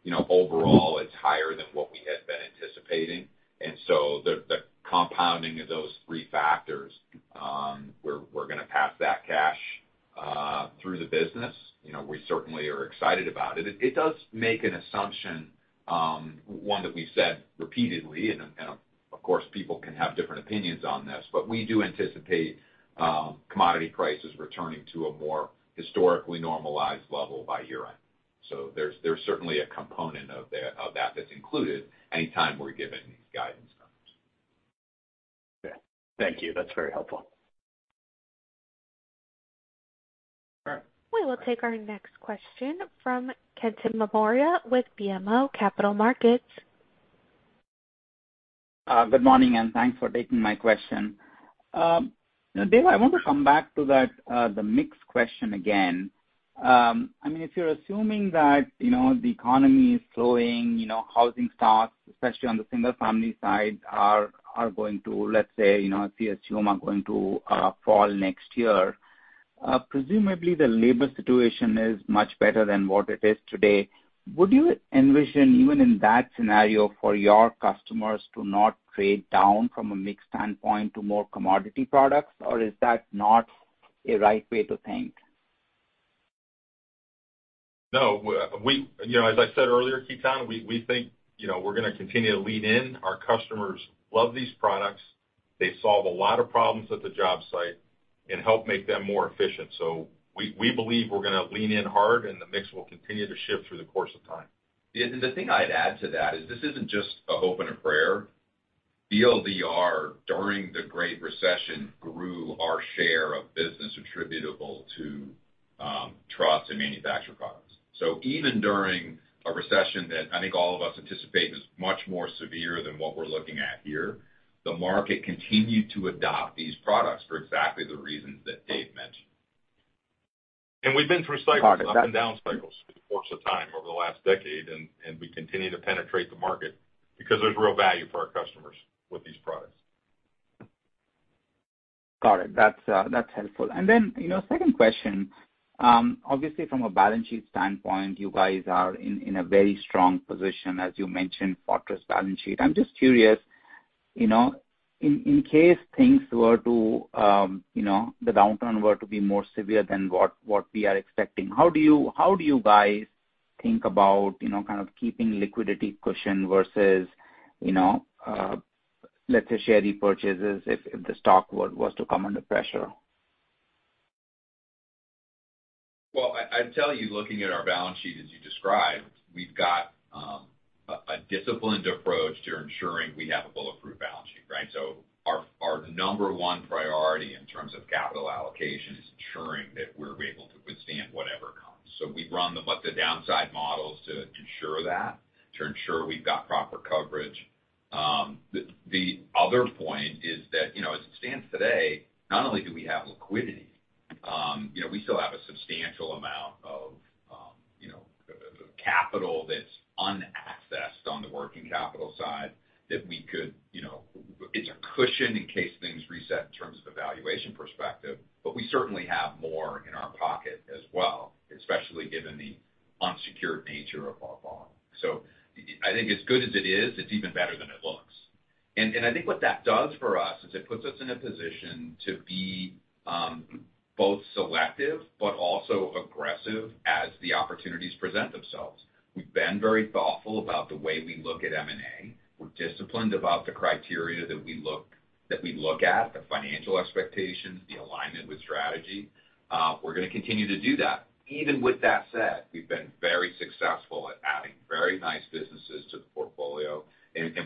Speaker 4: You know, overall it's higher than what we had been anticipating. The compounding of those three factors, we're gonna pass that cash through the business. You know, we certainly are excited about it. It does make an assumption, one that we've said repeatedly and, of course, people can have different opinions on this, but we do anticipate commodity prices returning to a more historically normalized level by year-end. There's certainly a component of that that's included anytime we're giving these guidance numbers.
Speaker 8: Okay. Thank you. That's very helpful.
Speaker 4: All right.
Speaker 1: We will take our next question from Ketan Mamtora with BMO Capital Markets.
Speaker 9: Good morning, and thanks for taking my question. Dave, I want to come back to that, the mix question again. I mean, if you're assuming that, you know, the economy is slowing, you know, housing stocks, especially on the single family side, are going to, let's say, you know, we assume are going to fall next year, presumably the labor situation is much better than what it is today. Would you envision, even in that scenario, for your customers to not trade down from a mix standpoint to more commodity products, or is that not a right way to think?
Speaker 3: No. You know, as I said earlier, Ketan, we think, you know, we're gonna continue to lean in. Our customers love these products. They solve a lot of problems at the job site and help make them more efficient. We believe we're gonna lean in hard, and the mix will continue to shift through the course of time.
Speaker 4: The thing I'd add to that is this isn't just a hope and a prayer. BLDR, during the Great Recession, grew our share of business attributable to trusses and manufactured products. Even during a recession that I think all of us anticipate is much more severe than what we're looking at here, the market continued to adopt these products for exactly the reasons that Dave mentioned.
Speaker 3: We've been through cycles.
Speaker 9: Got it.
Speaker 3: Up and down cycles through the course of time over the last decade, and we continue to penetrate the market because there's real value for our customers with these products.
Speaker 9: Got it. That's helpful. You know, second question, obviously from a balance sheet standpoint, you guys are in a very strong position, as you mentioned, fortress balance sheet. I'm just curious, you know, in case things were to, you know, the downturn were to be more severe than what we are expecting, how do you guys think about, you know, kind of keeping liquidity cushion versus, you know, let's say, share repurchases if the stock were, was to come under pressure?
Speaker 4: Well, I'd tell you, looking at our balance sheet as you described, we've got a disciplined approach to ensuring we have a bulletproof balance sheet, right? Our number one priority in terms of capital allocation is ensuring that we're able to withstand whatever. We run, like, the downside models to ensure that we've got proper coverage. The other point is that, you know, as it stands today, not only do we have liquidity, you know, we still have a substantial amount of capital that's unaccessed on the working capital side that we could, you know. It's a cushion in case things reset in terms of a valuation perspective, but we certainly have more in our pocket as well, especially given the unsecured nature of our bond. I think as good as it is, it's even better than it looks. I think what that does for us is it puts us in a position to be both selective but also aggressive as the opportunities present themselves. We've been very thoughtful about the way we look at M&A. We're disciplined about the criteria that we look at, the financial expectations, the alignment with strategy. We're gonna continue to do that. Even with that said, we've been very successful at adding very nice businesses to the portfolio.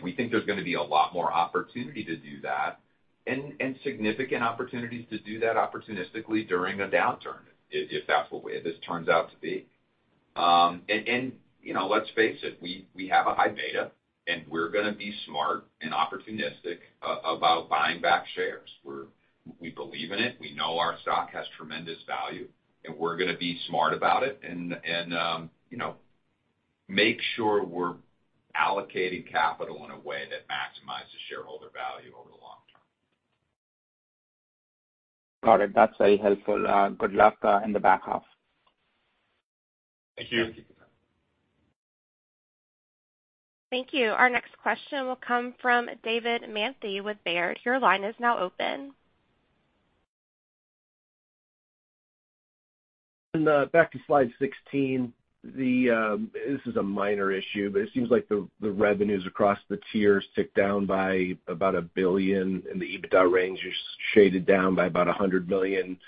Speaker 4: We think there's gonna be a lot more opportunity to do that and significant opportunities to do that opportunistically during a downturn if that's the way this turns out to be. You know, let's face it, we have a high beta, and we're gonna be smart and opportunistic about buying back shares. We believe in it. We know our stock has tremendous value, and we're gonna be smart about it and you know, make sure we're allocating capital in a way that maximizes shareholder value over the long term.
Speaker 9: Got it. That's very helpful. Good luck in the back half.
Speaker 4: Thank you.
Speaker 9: Thank you.
Speaker 1: Thank you. Our next question will come from David Manthey with Baird. Your line is now open.
Speaker 10: Back to slide 16, this is a minor issue, but it seems like the revenues across the tiers tick down by about $1 billion, and the EBITDA range is shaded down by about $100 million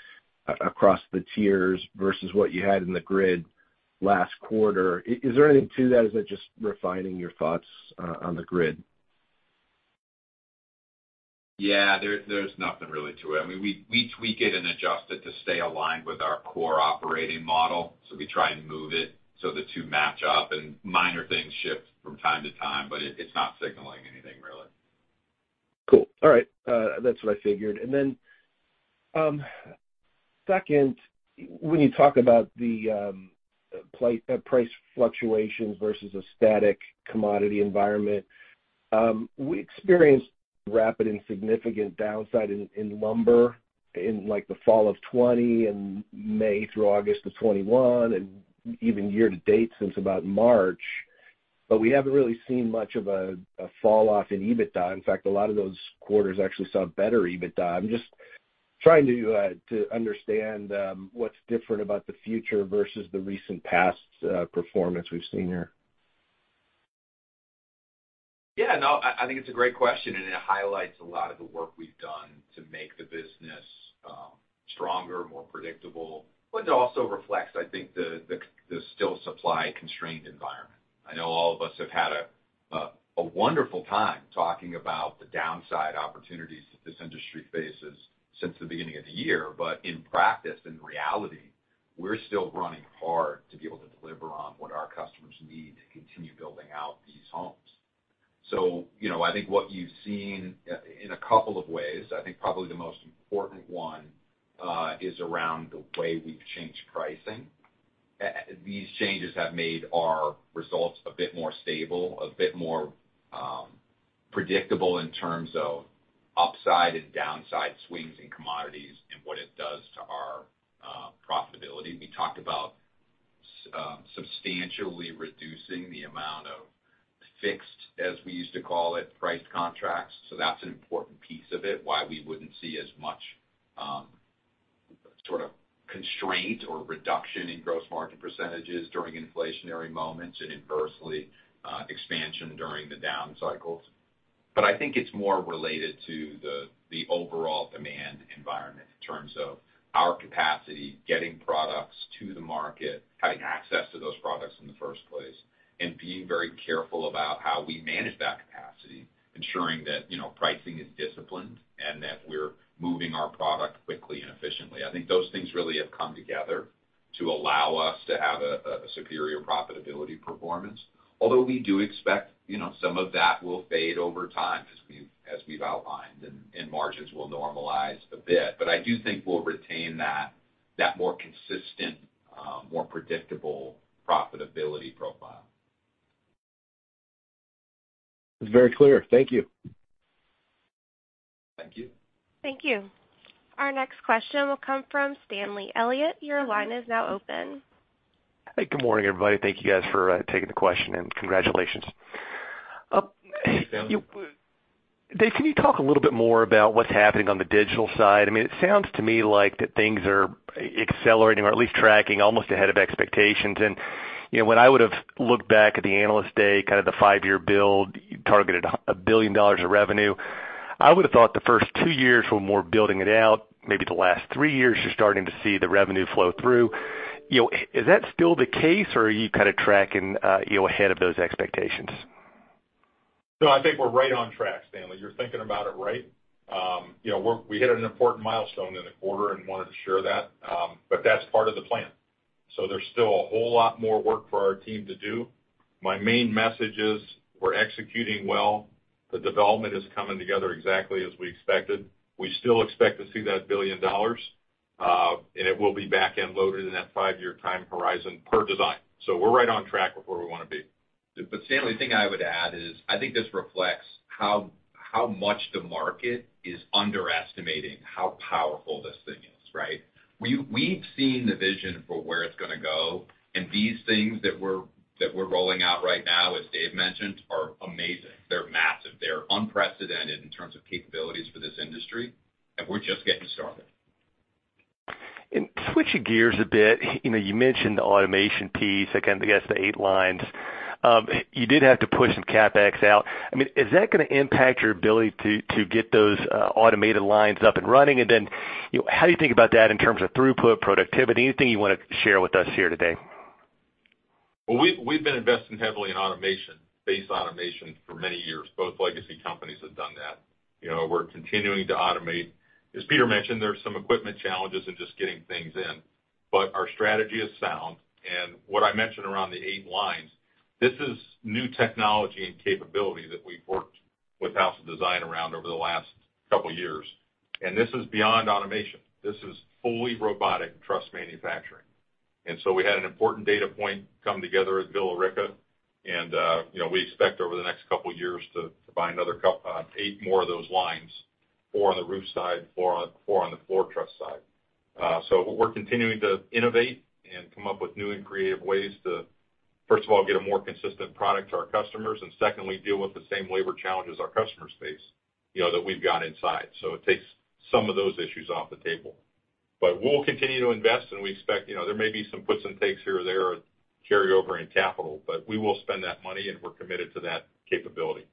Speaker 10: across the tiers versus what you had in the grid last quarter. Is there anything to that? Is that just refining your thoughts on the grid?
Speaker 4: Yeah. There's nothing really to it. I mean, we tweak it and adjust it to stay aligned with our core operating model. We try and move it so the two match up, and minor things shift from time to time, but it's not signaling anything really.
Speaker 10: Cool. All right. That's what I figured. Then, second, when you talk about the price fluctuations versus a static commodity environment, we experienced rapid and significant downside in lumber in, like, the fall of 2020 and May through August of 2021 and even year-to-date since about March, but we haven't really seen much of a falloff in EBITDA. In fact, a lot of those quarters actually saw better EBITDA. I'm just trying to understand what's different about the future versus the recent past performance we've seen here.
Speaker 4: Yeah. No, I think it's a great question, and it highlights a lot of the work we've done to make the business, stronger, more predictable, but it also reflects, I think, the still supply-constrained environment. I know all of us have had a wonderful time talking about the downside opportunities that this industry faces since the beginning of the year. In practice, in reality, we're still running hard to be able to deliver on what our customers need to continue building out these homes. You know, I think what you've seen, in a couple of ways, I think probably the most important one, is around the way we've changed pricing. These changes have made our results a bit more stable, a bit more predictable in terms of upside and downside swings in commodities and what it does to our profitability. We talked about substantially reducing the amount of fixed, as we used to call it, priced contracts, so that's an important piece of it, why we wouldn't see as much sort of constraint or reduction in gross margin percentages during inflationary moments and inversely expansion during the down cycles. I think it's more related to the overall demand environment in terms of our capacity, getting products to the market, having access to those products in the first place, and being very careful about how we manage that capacity, ensuring that you know, pricing is disciplined and that we're moving our product quickly and efficiently. I think those things really have come together to allow us to have a superior profitability performance. Although we do expect, you know, some of that will fade over time as we've outlined, and margins will normalize a bit. I do think we'll retain that more consistent, more predictable profitability profile.
Speaker 10: It's very clear. Thank you.
Speaker 4: Thank you.
Speaker 1: Thank you. Our next question will come from Stanley Elliott. Your line is now open.
Speaker 11: Hey, good morning, everybody. Thank you guys for taking the question, and congratulations.
Speaker 4: Thank you.
Speaker 11: Dave, can you talk a little bit more about what's happening on the digital side? I mean, it sounds to me like that things are accelerating or at least tracking almost ahead of expectations. You know, when I would've looked back at the Investor Day, kind of the five-year build, you targeted $1 billion of revenue. I would've thought the first two years were more building it out, maybe the last three years, you're starting to see the revenue flow through. You know, is that still the case, or are you kind of tracking, you know, ahead of those expectations?
Speaker 3: No, I think we're right on track, Stanley. You're thinking about it right. You know, we hit an important milestone in the quarter and wanted to share that, but that's part of the plan. There's still a whole lot more work for our team to do. My main message is we're executing well, the development is coming together exactly as we expected. We still expect to see that $1 billion, and it will be back-end loaded in that five-year time horizon per design. We're right on track with where we wanna be.
Speaker 4: Stanley, the thing I would add is, I think this reflects how much the market is underestimating how powerful this thing is, right? We've seen the vision for where it's gonna go, and these things that we're rolling out right now, as Dave mentioned, are amazing. They're massive. They're unprecedented in terms of capabilities for this industry, and we're just getting started.
Speaker 11: Switching gears a bit, you know, you mentioned the automation piece, I kind of guess the eight lines. You did have to push some CapEx out. I mean, is that gonna impact your ability to get those automated lines up and running? Then, you know, how do you think about that in terms of throughput, productivity? Anything you wanna share with us here today?
Speaker 3: Well, we've been investing heavily in automation, base automation for many years. Both legacy companies have done that. You know, we're continuing to automate. As Peter mentioned, there's some equipment challenges in just getting things in. But our strategy is sound, and what I mentioned around the eight lines, this is new technology and capability that we've worked with House of Design around over the last couple years. This is beyond automation. This is fully robotic truss manufacturing. We had an important data point come together at Villa Rica, and you know, we expect over the next couple years to buy another eight more of those lines, four on the roof side, four on the floor truss side. We're continuing to innovate and come up with new and creative ways to, first of all, get a more consistent product to our customers, and secondly, deal with the same labor challenges our customers face, you know, that we've got inside. It takes some of those issues off the table. We'll continue to invest, and we expect, you know, there may be some puts and takes here or there or carryover in capital, but we will spend that money, and we're committed to that capability.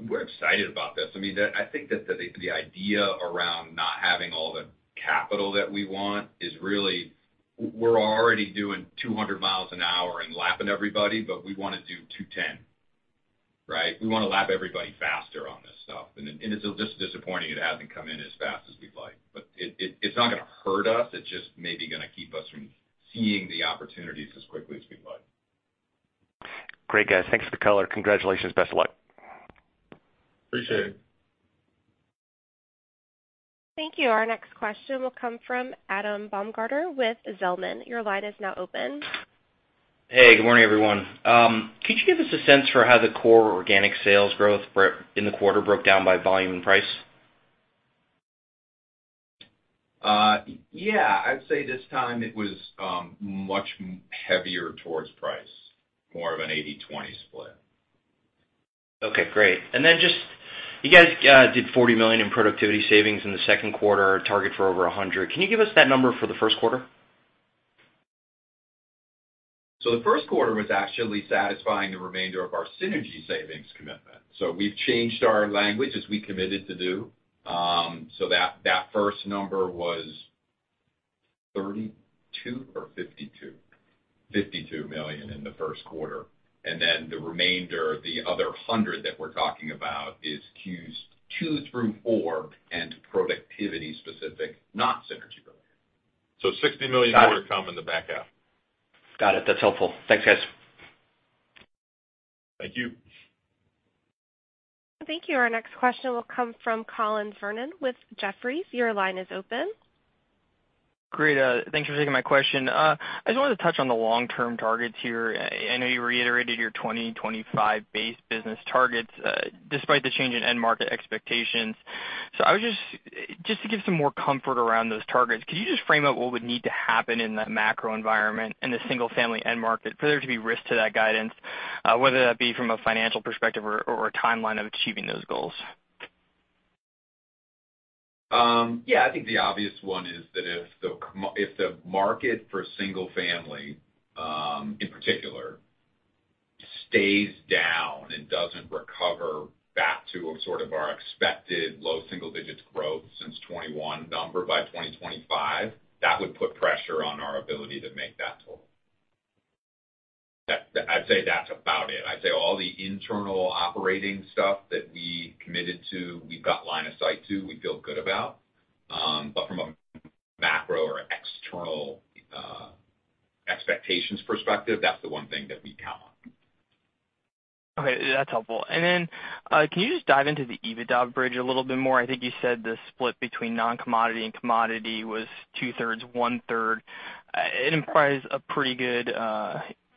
Speaker 4: We're excited about this. I mean, I think that the idea around not having all the capital that we want is really we're already doing 200 mph and lapping everybody, but we wanna do 210 mph, right? We wanna lap everybody faster on this stuff. It's just disappointing it hasn't come in as fast as we'd like. It's not gonna hurt us, it's just maybe gonna keep us from seeing the opportunities as quickly as we'd like.
Speaker 11: Great, guys. Thanks for the color. Congratulations. Best of luck.
Speaker 3: Appreciate it.
Speaker 1: Thank you. Our next question will come from Adam Baumgarten with Zelman. Your line is now open.
Speaker 12: Hey, good morning, everyone. Could you give us a sense for how the core organic sales growth broke down in the quarter by volume and price?
Speaker 4: Yeah. I'd say this time it was much heavier towards price, more of an 80%-20% split.
Speaker 12: Okay, great. Just you guys did $40 million in productivity savings in the second quarter, target for over $100 million. Can you give us that number for the first quarter?
Speaker 4: The first quarter was actually satisfying the remainder of our synergy savings commitment. We've changed our language as we committed to do. That first number was $32 million or $52 million? $52 million in the first quarter. Then the remainder, the other $100 million that we're talking about, is Q2 through Q4 and productivity specific, not synergy related.
Speaker 3: $60 million more to come in the back half.
Speaker 12: Got it. That's helpful. Thanks, guys.
Speaker 3: Thank you.
Speaker 1: Thank you. Our next question will come from Collin Verron with Jefferies. Your line is open.
Speaker 13: Great. Thank you for taking my question. I just wanted to touch on the long-term targets here. I know you reiterated your 2025 base business targets, despite the change in end market expectations. Just to give some more comfort around those targets, could you just frame out what would need to happen in the macro environment and the single-family end market for there to be risk to that guidance, whether that be from a financial perspective or a timeline of achieving those goals?
Speaker 4: Yeah. I think the obvious one is that if the market for single family, in particular, stays down and doesn't recover back to sort of our expected low single digits growth since 2021 number by 2025, that would put pressure on our ability to make that total. I'd say that's about it. I'd say all the internal operating stuff that we committed to, we've got line of sight to, we feel good about. From a macro or external expectations perspective, that's the one thing that we count on.
Speaker 13: Okay, that's helpful. Can you just dive into the EBITDA bridge a little bit more? I think you said the split between non-commodity and commodity was 2/3, 1/3. It implies a pretty good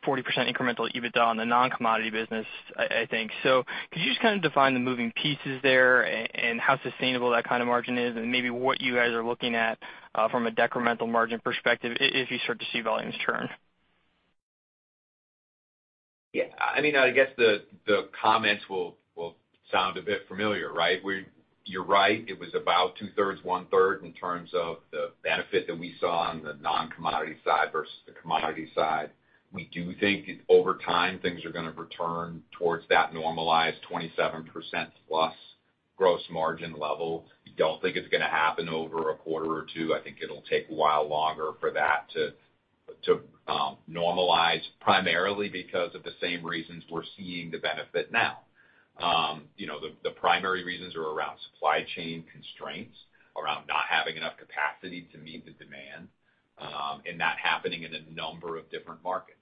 Speaker 13: 40% incremental EBITDA on the non-commodity business, I think. Could you just kinda define the moving pieces there and how sustainable that kind of margin is and maybe what you guys are looking at from a decremental margin perspective if you start to see volumes turn?
Speaker 4: Yeah. I mean, I guess the comments will sound a bit familiar, right? You're right, it was about two-thirds, one-third in terms of the benefit that we saw on the non-commodity side versus the commodity side. We do think over time, things are gonna return towards that normalized 27%+ gross margin level. We don't think it's gonna happen over a quarter or two. I think it'll take a while longer for that to normalize primarily because of the same reasons we're seeing the benefit now. You know, the primary reasons are around supply chain constraints, around not having enough capacity to meet the demand, and that happening in a number of different markets.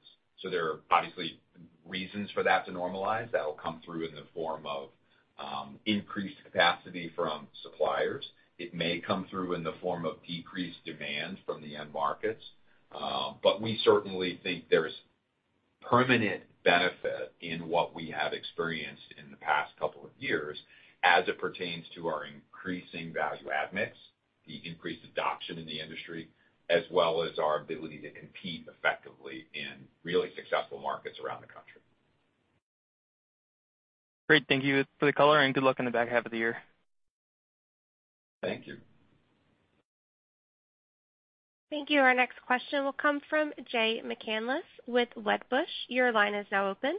Speaker 4: There are obviously reasons for that to normalize that'll come through in the form of increased capacity from suppliers. It may come through in the form of decreased demand from the end markets. We certainly think there's permanent benefit in what we have experienced in the past couple of years as it pertains to our increasing value add mix, the increased adoption in the industry, as well as our ability to compete effectively in really successful markets around the country.
Speaker 14: Great. Thank you for the color, and good luck in the back half of the year.
Speaker 4: Thank you.
Speaker 1: Thank you. Our next question will come from Jay McCanless with Wedbush. Your line is now open.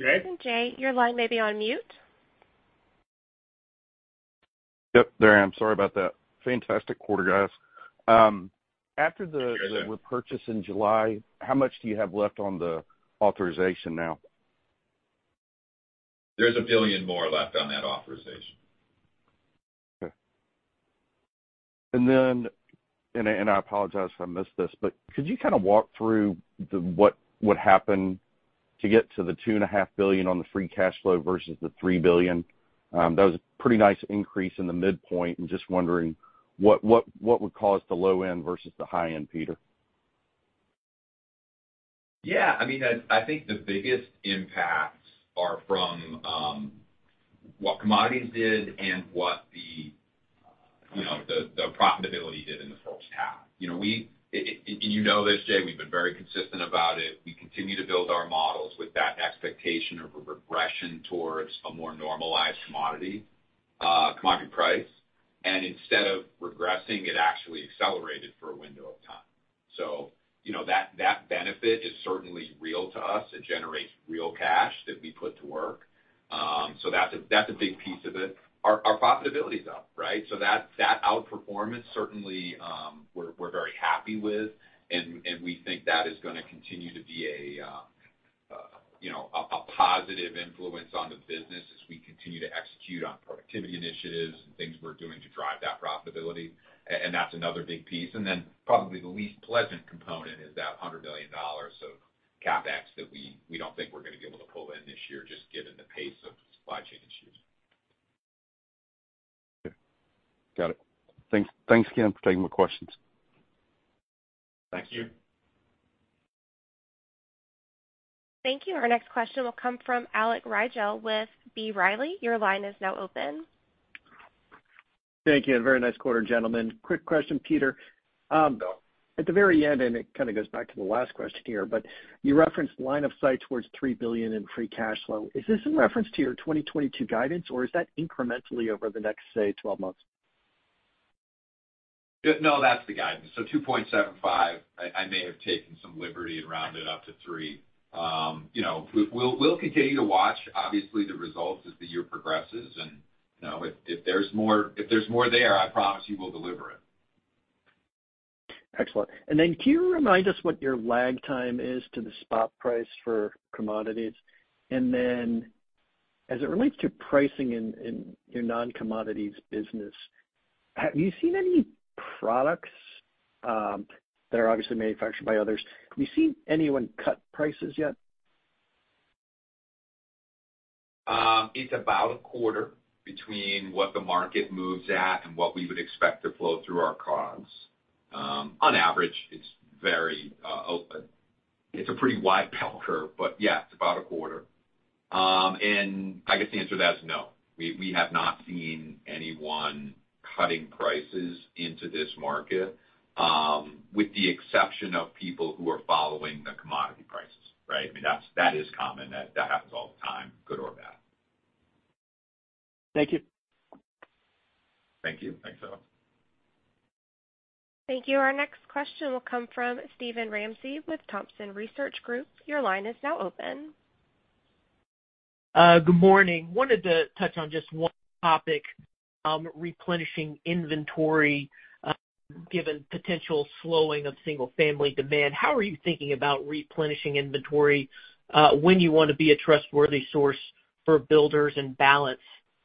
Speaker 4: Jay?
Speaker 1: Jay, your line may be on mute.
Speaker 15: Yep, there I am. Sorry about that. Fantastic quarter, guys.
Speaker 4: Thank you for that.
Speaker 15: Repurchase in July, how much do you have left on the authorization now?
Speaker 4: There's $1 billion more left on that authorization.
Speaker 15: I apologize if I missed this, but could you kinda walk through what would happen to get to the $2.5 billion on the free cash flow versus the $3 billion? That was a pretty nice increase in the midpoint. I'm just wondering what would cause the low end versus the high end, Peter?
Speaker 4: Yeah. I mean, I think the biggest impacts are from what commodities did and what the profitability did in the first half. You know this, Jay, we've been very consistent about it. We continue to build our models with that expectation of a regression towards a more normalized commodity price. Instead of regressing, it actually accelerated for a window of time. You know, that benefit is certainly real to us. It generates real cash that we put to work. That's a big piece of it. Our profitability's up, right? That outperformance certainly. We're very happy with and we think that is gonna continue to be a, you know, a positive influence on the business as we continue to execute on productivity initiatives and things we're doing to drive that profitability. That's another big piece. Then probably the least pleasant component is that $100 million of CapEx that we don't think we're gonna be able to pull in this year just given the pace of supply chain issues.
Speaker 15: Okay. Got it. Thanks, thanks again for taking my questions.
Speaker 4: Thank you.
Speaker 1: Thank you. Our next question will come from Alex Rygiel with B. Riley. Your line is now open.
Speaker 16: Thank you. Very nice quarter, gentlemen. Quick question, Peter. At the very end, it kinda goes back to the last question here, but you referenced line of sight towards $3 billion in free cash flow. Is this in reference to your 2022 guidance, or is that incrementally over the next, say, 12 months?
Speaker 4: No, that's the guidance. $2.75 billion. I may have taken some liberty and rounded up to $3 billion. You know, we'll continue to watch obviously the results as the year progresses. You know, if there's more there, I promise you we'll deliver it.
Speaker 16: Excellent. Can you remind us what your lag time is to the spot price for commodities? As it relates to pricing in your non-commodities business, have you seen any products that are obviously manufactured by others? Have you seen anyone cut prices yet?
Speaker 4: It's about a quarter between what the market moves at and what we would expect to flow through our costs. On average, it's very, it's a pretty wide bell curve. Yeah, it's about a quarter. I guess the answer to that is no. We have not seen anyone cutting prices into this market, with the exception of people who are following the commodity prices, right? I mean, that is common. That happens all the time, good or bad.
Speaker 16: Thank you.
Speaker 3: Thank you.
Speaker 4: Thanks, Alex.
Speaker 1: Thank you. Our next question will come from Steven Ramsey with Thompson Research Group. Your line is now open.
Speaker 14: Good morning. Wanted to touch on just one topic, replenishing inventory, given potential slowing of single-family demand. How are you thinking about replenishing inventory, when you wanna be a trustworthy source for builders and balance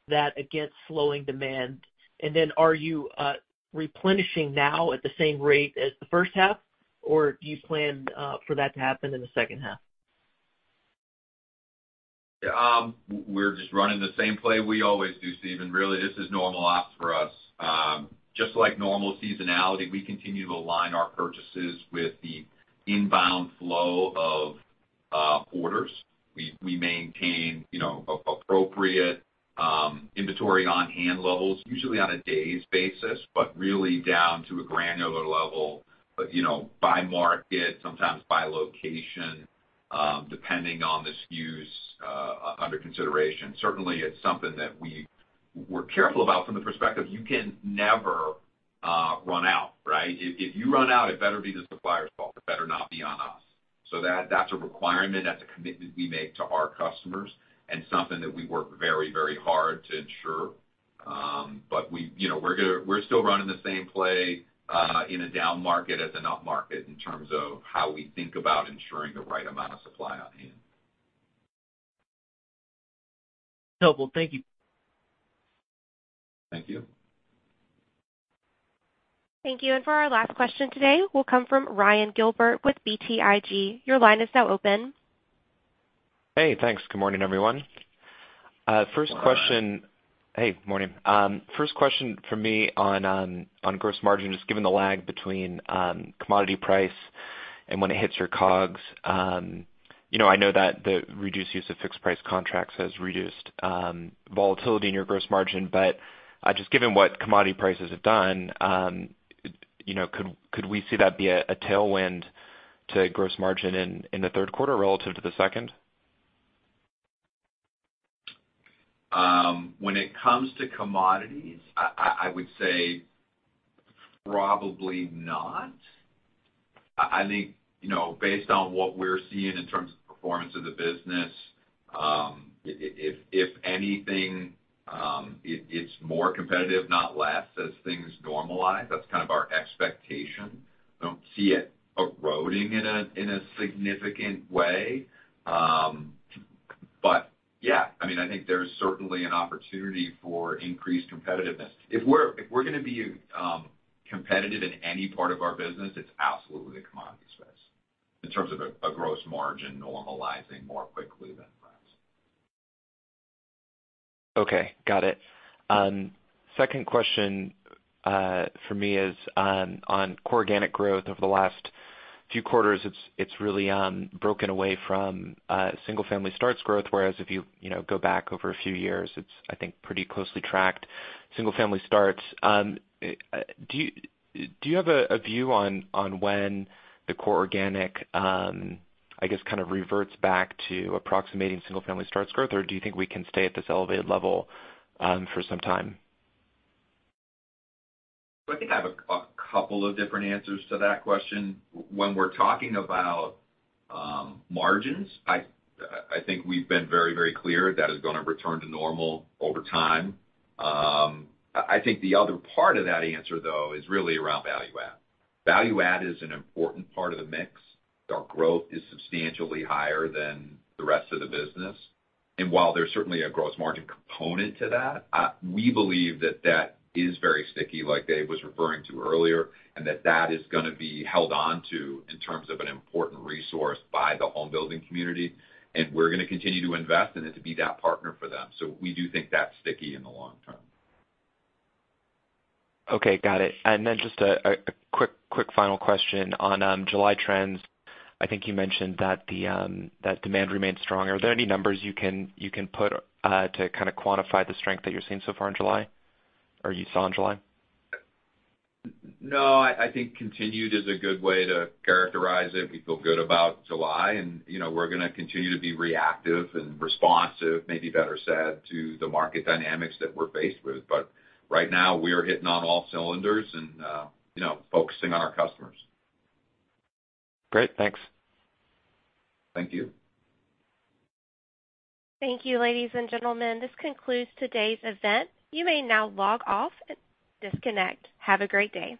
Speaker 14: that against slowing demand? Are you replenishing now at the same rate as the first half, or do you plan for that to happen in the second half?
Speaker 4: Yeah, we're just running the same play we always do, Steven. Really, this is normal ops for us. Just like normal seasonality, we continue to align our purchases with the inbound flow of orders. We maintain, you know, appropriate inventory on-hand levels, usually on a days basis, but really down to a granular level, but you know, by market, sometimes by location, depending on the SKUs under consideration. Certainly, it's something that we're careful about from the perspective you can never run out, right? If you run out, it better be the supplier's fault. It better not be on us. So that's a requirement, that's a commitment we make to our customers and something that we work very, very hard to ensure. We, you know, we're still running the same play in a down market as an up market in terms of how we think about ensuring the right amount of supply on hand.
Speaker 14: Helpful. Thank you.
Speaker 4: Thank you.
Speaker 1: Thank you. For our last question today, we'll come from Ryan Gilbert with BTIG. Your line is now open.
Speaker 17: Hey, thanks. Good morning, everyone. First question-
Speaker 4: Good morning.
Speaker 17: Hey, morning. First question from me on gross margin, just given the lag between commodity price and when it hits your COGS, you know, I know that the reduced use of fixed price contracts has reduced volatility in your gross margin. Just given what commodity prices have done, you know, could we see that be a tailwind to gross margin in the third quarter relative to the second?
Speaker 4: When it comes to commodities, I would say probably not. I think, you know, based on what we're seeing in terms of performance of the business, if anything, it's more competitive, not less, as things normalize. That's kind of our expectation. I don't see it eroding in a significant way. Yeah, I mean, I think there's certainly an opportunity for increased competitiveness. If we're gonna be competitive in any part of our business, it's absolutely the commodity space in terms of a gross margin normalizing more quickly than perhaps.
Speaker 17: Okay, got it. Second question for me is on core organic growth over the last few quarters, it's really broken away from single family starts growth, whereas if you know go back over a few years, it's, I think, pretty closely tracked single family starts. Do you have a view on when the core organic, I guess, kind of reverts back to approximating single family starts growth, or do you think we can stay at this elevated level for some time?
Speaker 4: I think I have a couple of different answers to that question. When we're talking about margins, I think we've been very, very clear that is gonna return to normal over time. I think the other part of that answer though is really around value add. Value add is an important part of the mix. Our growth is substantially higher than the rest of the business. While there's certainly a gross margin component to that, we believe that that is very sticky, like Dave was referring to earlier, and that that is gonna be held onto in terms of an important resource by the home building community, and we're gonna continue to invest in it to be that partner for them. We do think that's sticky in the long term.
Speaker 17: Okay, got it. Just a quick final question on July trends. I think you mentioned that demand remained strong. Are there any numbers you can put to kind of quantify the strength that you're seeing so far in July, or you saw in July?
Speaker 4: No, I think continued is a good way to characterize it. We feel good about July and, you know, we're gonna continue to be reactive and responsive, maybe better said, to the market dynamics that we're faced with. Right now, we are firing on all cylinders and, you know, focusing on our customers.
Speaker 17: Great. Thanks.
Speaker 4: Thank you.
Speaker 1: Thank you, ladies and gentlemen. This concludes today's event. You may now log off and disconnect. Have a great day.